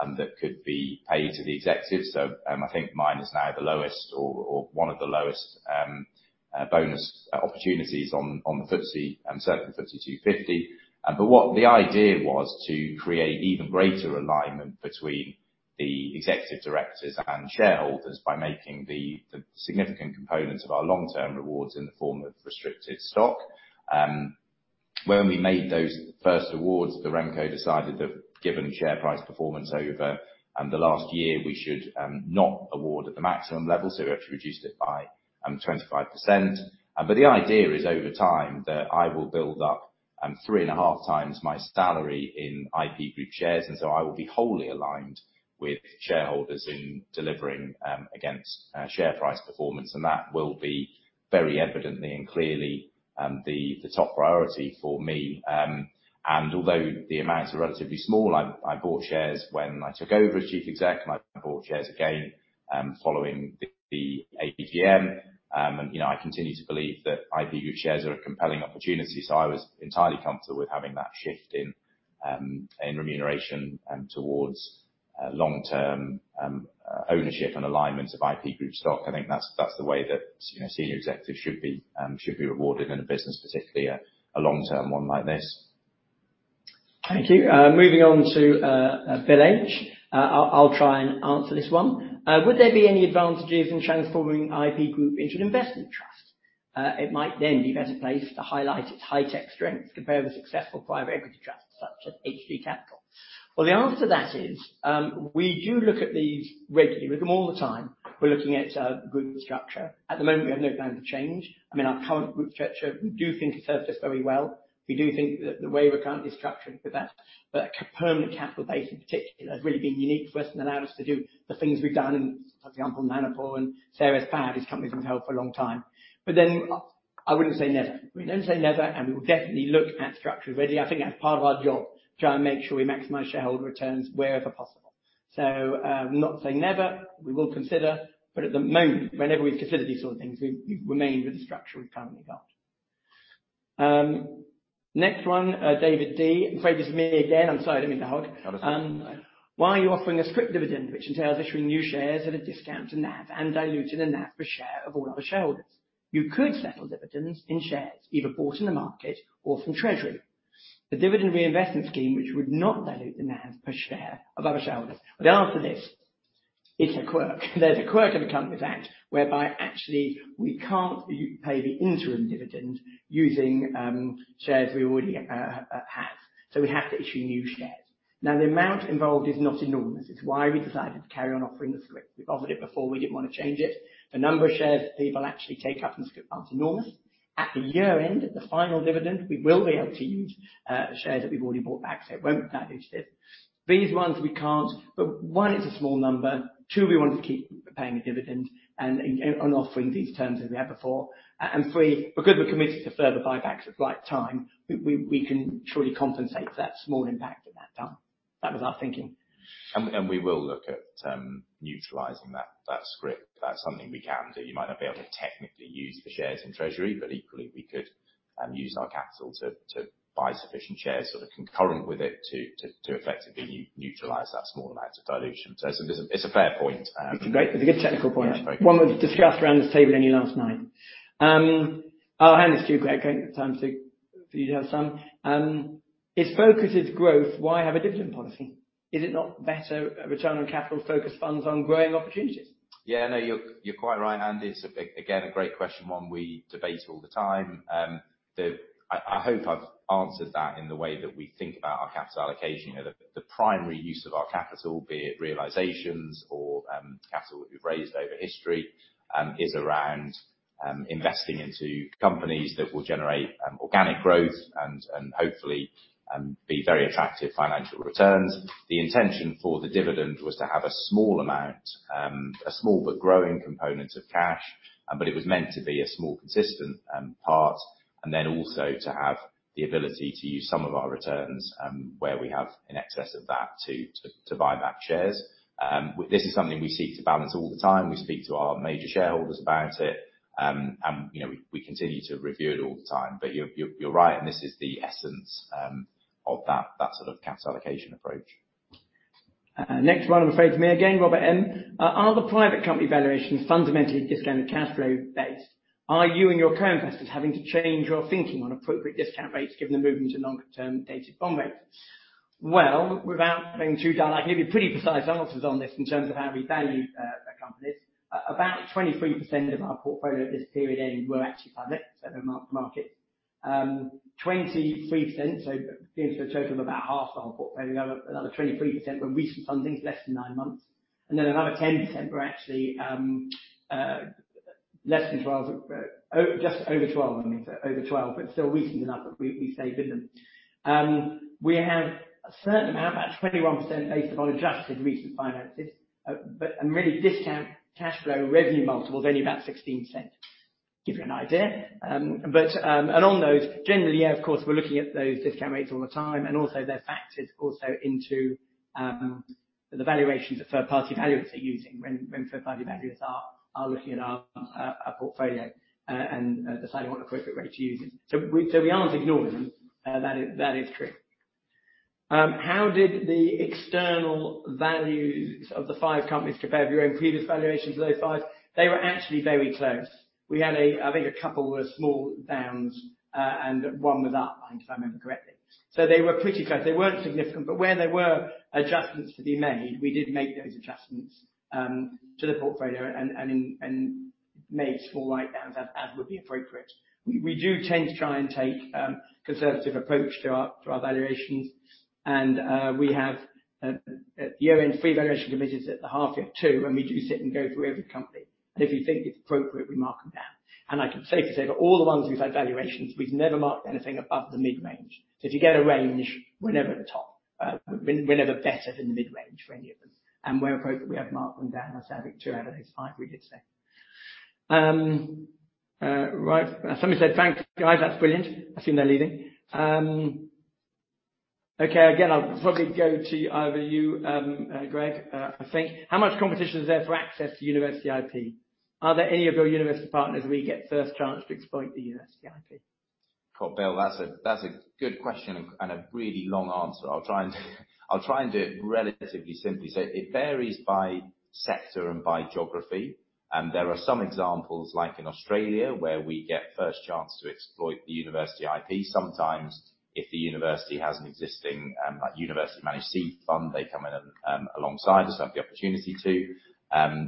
level of cash bonus that could be paid to the executives. I think mine is now the lowest or one of the lowest bonus opportunities on the FTSE and certainly FTSE 250. What the idea was to create even greater alignment between the executive directors and shareholders by making the significant components of our long-term rewards in the form of restricted stock. When we made those first awards, the RemCo decided that given share price performance over the last year we should not award at the maximum level. We actually reduced it by 25%. The idea is over time that I will build up 3.5x my salary in IP Group shares, and so I will be wholly aligned with shareholders in delivering against share price performance. That will be very evidently and clearly the top priority for me. Although the amounts are relatively small, I bought shares when I took over as chief exec, and I bought shares again following the AGM. You know, I continue to believe that IP Group shares are a compelling opportunity, so I was entirely comfortable with having that shift in remuneration towards long-term ownership and alignment of IP Group stock. I think that's the way that you know, senior executives should be rewarded in a business, particularly a long-term one like this. Thank you. Moving on to Bill H. I'll try and answer this one. Would there be any advantages in transforming IP Group into an investment trust? It might then be better placed to highlight its high-tech strengths compared with successful private equity trusts such as HgCapital. Well, the answer to that is, we do look at these regularly. We look at them all the time. We're looking at group structure. At the moment, we have no plan to change. I mean, our current group structure, we do think it serves us very well. We do think that the way we're currently structured with that, but a permanent capital base in particular has really been unique to us and allowed us to do the things we've done. For example, Nanopore and Ceres Power, these companies we've held for a long time. I wouldn't say never. We never say never, and we will definitely look at structures. Really, I think that's part of our job, try and make sure we maximize shareholder returns wherever possible. Not saying never, we will consider, but at the moment, whenever we've considered these sort of things, we've remained with the structure we've currently got. Next one, David D. I'm afraid it's me again. I'm sorry, I didn't mean to hog. That is all right. Why are you offering a scrip dividend which entails issuing new shares at a discount to NAV and diluting the NAV per share of all other shareholders? You could settle dividends in shares either bought in the market or from treasury. The dividend reinvestment scheme which would not dilute the NAV per share of other shareholders. The answer to this, it's a quirk. There's a quirk of the Companies Act 2006 whereby actually we can't pay the interim dividend using shares we already have. So, we have to issue new shares. Now, the amount involved is not enormous. It's why we decided to carry on offering the scrip. We've offered it before, we didn't want to change it. The number of shares that people actually take up in the scrip aren't enormous. At the year-end, the final dividend, we will be able to use shares that we've already bought back, so it won't dilute it. These ones we can't. One, it's a small number. Two, we wanted to keep paying the dividend and again on offering these terms as we have before. Three, because we're committed to further buybacks at the right time, we can truly compensate for that small impact at that time. That was our thinking. We will look at neutralizing that scrip. That's something we can do. You might not be able to technically use the shares in treasury, but equally we could use our capital to buy sufficient shares sort of concurrent with it to effectively neutralize that small amount of dilution. It's a fair point. It's a good technical point. One we discussed around this table only last night. Oh, Andy, it's you. Great. Okay, good time for you to have some. If focus is growth, why have a dividend policy? Is it not better a return on capital focus funds on growing opportunities? Yeah. No, you're quite right, Andy. It's again a great question, one we debate all the time. I hope I've answered that in the way that we think about our capital allocation. You know, the primary use of our capital, be it realizations or capital that we've raised over history, is around investing into companies that will generate organic growth and hopefully be very attractive financial returns. The intention for the dividend was to have a small amount, a small but growing component of cash, but it was meant to be a small consistent part, and then also to have the ability to use some of our returns, where we have in excess of that to buy back shares. This is something we seek to balance all the time. We speak to our major shareholders about it. You know, we continue to review it all the time. You're right, and this is the essence of that sort of capital allocation approach. Next one, I'm afraid it's me again, Robert M. Are the private company valuations fundamentally discounted cash flow based? Are you and your co-investors having to change your thinking on appropriate discount rates given the movement to longer-term dated bond rates? Well, without being too dull, I can give you pretty precise answers on this in terms of how we value our companies. About 23% of our portfolio at this period ending were actually public, so they're market. 23%, so gives you a total of about half of our portfolio. We have another 23% were recent fundings, less than 9 months. And then another 10% were actually less than 12 months, oh, just over 12 months, I mean. Over 12, but still recent enough that we stay with them. We have a certain amount, about 21% based upon adjusted recent financials, and really discount cash flow revenue multiples only about 16x. Give you an idea. But on those, generally, yeah, of course, we're looking at those discount rates all the time, and also, they're factored also into the valuations that third-party valuers are using when third-party valuers are looking at our portfolio and deciding what appropriate rate to use. So, we aren't ignoring them, that is true. How did the external valuations of the 5 companies compare to your own previous valuations for those 5? They were actually very close. We had, I think a couple were small downs, and one was up, if I remember correctly. So, they were pretty close. They weren't significant, but where there were adjustments to be made, we did make those adjustments to the portfolio and made small write-downs as would be appropriate. We do tend to try and take conservative approach to our valuations. We have at year-end three valuation committees, at the half year two, and we do sit and go through every company. If we think it's appropriate, we mark them down. I can safely say that all the ones we've had valuations, we've never marked anything above the mid-range. If you get a range, we're never at the top. We're never better than the mid-range for any of them. Where appropriate, we have marked them down, as I think two out of those five, we did today. Right. Somebody said, "Thanks, guys, that's brilliant." I assume they're leaving. Okay. Again, I'll probably go to either you, Greg, I think. How much competition is there for access to university IP? Are there any of your university partners we get first chance to exploit the university IP? God, Bill, that's a good question and a really long answer. I'll try and do it relatively simply. It varies by sector and by geography. There are some examples like in Australia, where we get first chance to exploit the university IP. Sometimes if the university has an existing like university-managed seed fund, they come in alongside us, have the opportunity to,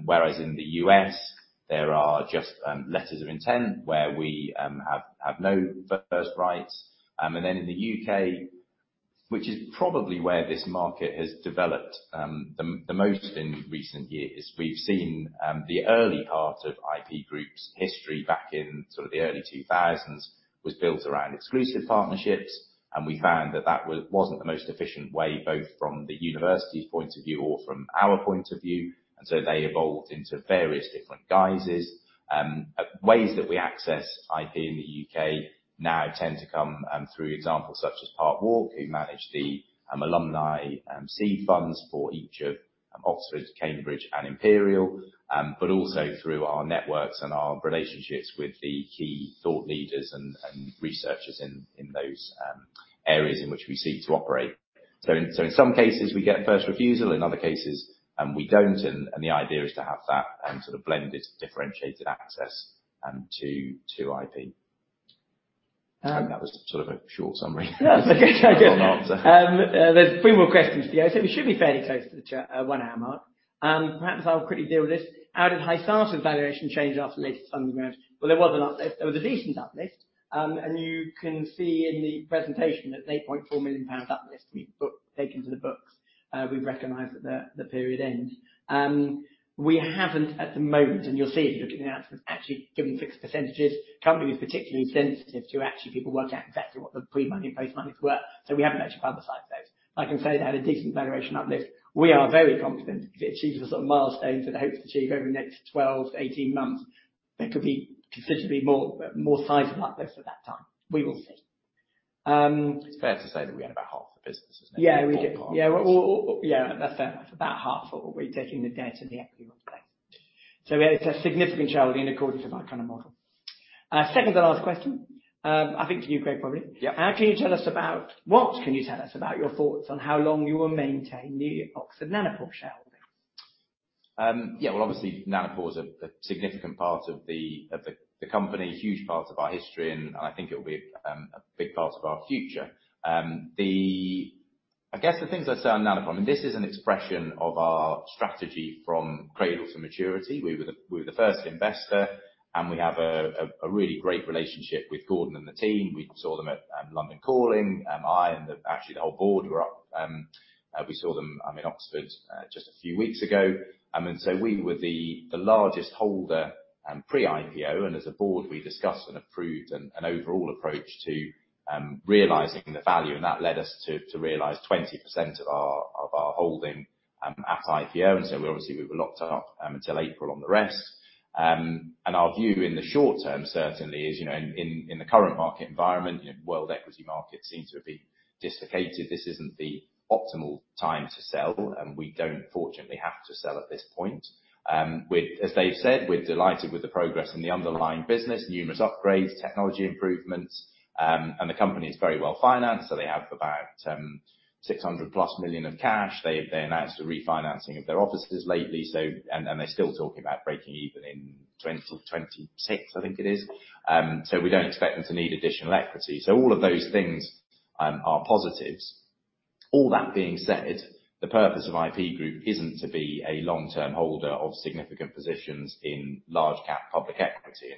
whereas in the U.S., there are just letters of intent where we have no first rights. Then in the U.K., which is probably where this market has developed the most in recent years, we've seen the early part of IP Group's history back in sort of the early 2000s was built around exclusive partnerships. We found that wasn't the most efficient way, both from the university's point of view or from our point of view, and so they evolved into various different guises. Ways that we access IP in the U.K. now tend to come through examples such as Parkwalk, who manage the alumni seed funds for each of Oxford, Cambridge and Imperial, but also through our networks and our relationships with the key thought leaders and researchers in those areas in which we seek to operate. In some cases, we get first refusal, in other cases, we don't. The idea is to have that sort of blended, differentiated access to IP. Um- I think that was sort of a short summary. No, that's okay. Long answer. There's three more questions to go. We should be fairly close to the one hour mark. Perhaps I'll quickly deal with this. How did Hysata's valuation change after latest funding round? Well, there was a decent uplift. You can see in the presentation that 8.4 million pounds uplift we've taken to the books, we recognized at the period end. We haven't at the moment, and you'll see if you look at the announcements, actually given the specifics. Company was particularly sensitive to actually people working out exactly what the pre-money and post-money were. We haven't actually publicized those. I can say they had a decent valuation uplift. We are very confident if it achieves the sort of milestones that they hope to achieve over the next 12-18 months, there could be considerably more sizable uplifts at that time. We will see. It's fair to say that we own about half the business, isn't it? Yeah, we do. 4 point. Yeah. Well, yeah, that's fair. That's about half what we take in the debt in the equity replacement. It's a significant shareholding in accordance with our kind of model. Second to last question, I think to you, Greg, probably. Yeah. What can you tell us about your thoughts on how long you will maintain the Oxford Nanopore shareholding? Yeah, well, obviously, Nanopore is a significant part of the company, huge part of our history, and I think it will be a big part of our future. I guess the things I'd say on Nanopore, I mean, this is an expression of our strategy from cradle to maturity. We were the first investor, and we have a really great relationship with Gordon and the team. We saw them at London Calling. Actually, the whole board were up, we saw them in Oxford just a few weeks ago. We were the largest holder pre-IPO, and as a board, we discussed and approved an overall approach to realizing the value, and that led us to realize 20% of our holding at IPO. We obviously were locked up until April on the rest. Our view in the short term certainly is, you know, in the current market environment, world equity markets seem to be dislocated. This isn't the optimal time to sell, and we don't fortunately have to sell at this point. As they've said, we're delighted with the progress in the underlying business, numerous upgrades, technology improvements, and the company is very well-financed, so they have about 600+ million of cash. They announced a refinancing of their offices lately. They're still talking about breaking even in 2026, I think it is. We don't expect them to need additional equity. All of those things are positives. All that being said, the purpose of IP Group isn't to be a long-term holder of significant positions in large cap public equity.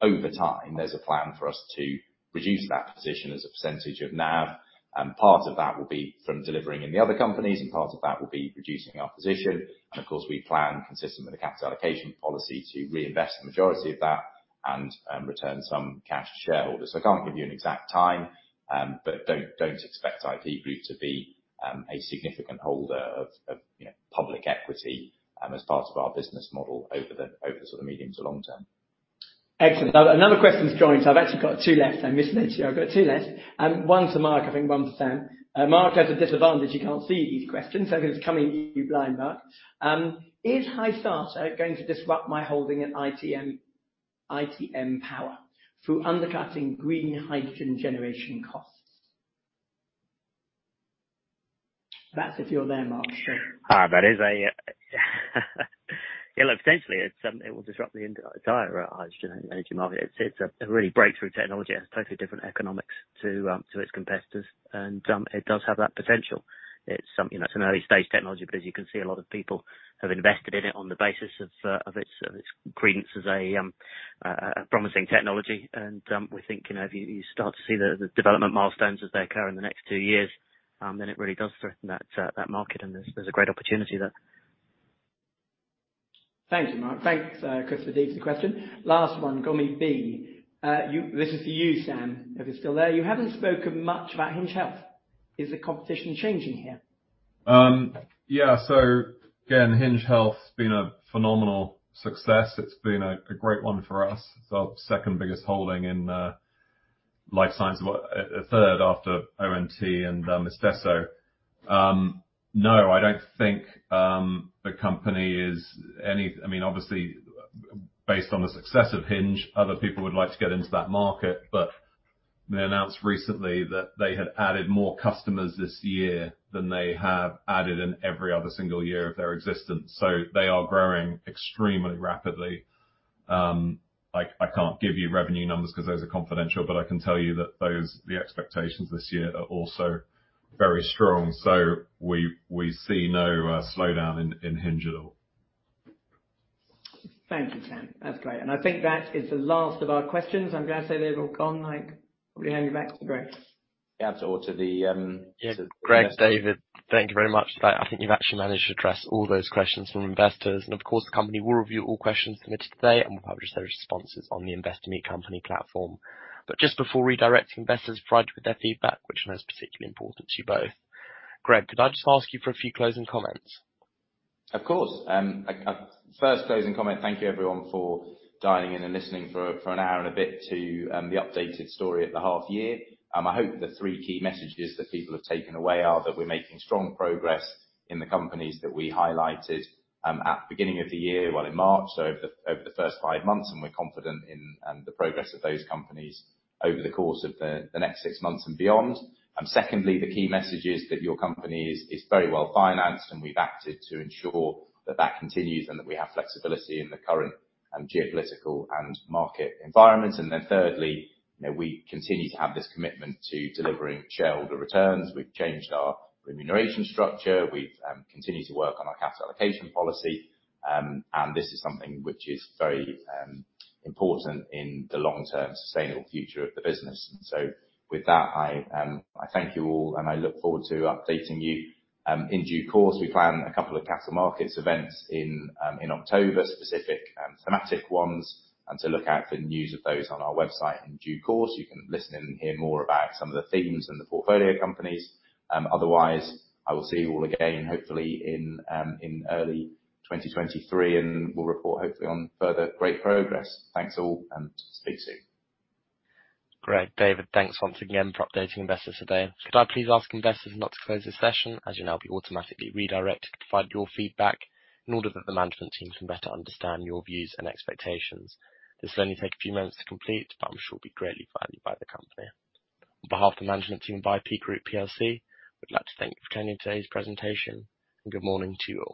Over time, there's a plan for us to reduce that position as a percentage of NAV, and part of that will be from delivering in the other companies, and part of that will be reducing our position. Of course, we plan consistent with the capital allocation policy to reinvest the majority of that and return some cash to shareholders. I can't give you an exact time, but don't expect IP Group to be a significant holder of you know, public equity, as part of our business model over the sort of medium to long term. Excellent. Another question's joined, so I've actually got two left. I misread you. I've got two left. One to Mark, I think one to Sam. Mark has a disadvantage. He can't see these questions, so it's coming to you blind, Mark. Is Hysata going to disrupt my holding at ITM Power through undercutting green hydrogen generation costs? That's if you're there, Mark. Potentially it will disrupt the entire hydrogen energy market. It's a real breakthrough technology has totally different economics to its competitors, and it does have that potential. You know, it's an early stage technology, but as you can see, a lot of people have invested in it on the basis of its credence as a promising technology. We think, you know, if you start to see the development milestones as they occur in the next two years, then it really does threaten that market and there's a great opportunity there. Thank you, Mark. Thanks, Chris for the easy question. Last one, Gummy B. This is to you, Sam, if you're still there. You haven't spoken much about Hinge Health. Is the competition changing here? Yeah, again, Hinge Health's been a phenomenal success. It's been a great one for us. It's our second biggest holding in life science, a third after ONT and Istesso. No, I don't think the company is any. I mean, obviously based on the success of Hinge, other people would like to get into that market, but they announced recently that they had added more customers this year than they have added in every other single year of their existence. They are growing extremely rapidly. I can't give you revenue numbers because those are confidential, but I can tell you that the expectations this year are also very strong. We see no slowdown in Hinge at all. Thank you, Sam. That's great. I think that is the last of our questions. I'm going to say they've all gone, Mike. Probably hand you back to Greg. Yeah. Yeah. Greg, David, thank you very much. I think you've actually managed to address all those questions from investors and of course the company will review all questions submitted today and will publish their responses on the Investor Meet Company platform. Just before redirecting investors to provide their feedback, which is particularly important to you both, Greg, could I just ask you for a few closing comments? Of course. First closing comment. Thank you everyone for dialing in and listening for an hour and a bit to the updated story at the half year. I hope the three key messages that people have taken away are that we are making strong progress in the companies that we highlighted at beginning of the year, well, in March, so over the first five months, and we're confident in the progress of those companies over the course of the next six months and beyond. Secondly, the key message is that your company is very well-financed, and we've acted to ensure that that continues and that we have flexibility in the current geopolitical and market environment. Thirdly, you know, we continue to have this commitment to delivering shareholder returns. We've changed our remuneration structure. We've continued to work on our capital allocation policy. This is something which is very important in the long-term sustainable future of the business. With that, I thank you all and I look forward to updating you in due course. We plan a couple of capital markets events in October, specific thematic ones, and to look out for news of those on our website in due course. You can listen and hear more about some of the themes and the portfolio companies. Otherwise, I will see you all again hopefully in early 2023 and we'll report hopefully on further great progress. Thanks all and speak soon. Great. David, thanks once again for updating investors today. Could I please ask investors not to close this session, as you'll now be automatically redirected to provide your feedback in order that the management team can better understand your views and expectations. This will only take a few minutes to complete, but I'm sure it'll be greatly valued by the company. On behalf of the management team at IP Group plc, we'd like to thank you for attending today's presentation, and good morning to you all.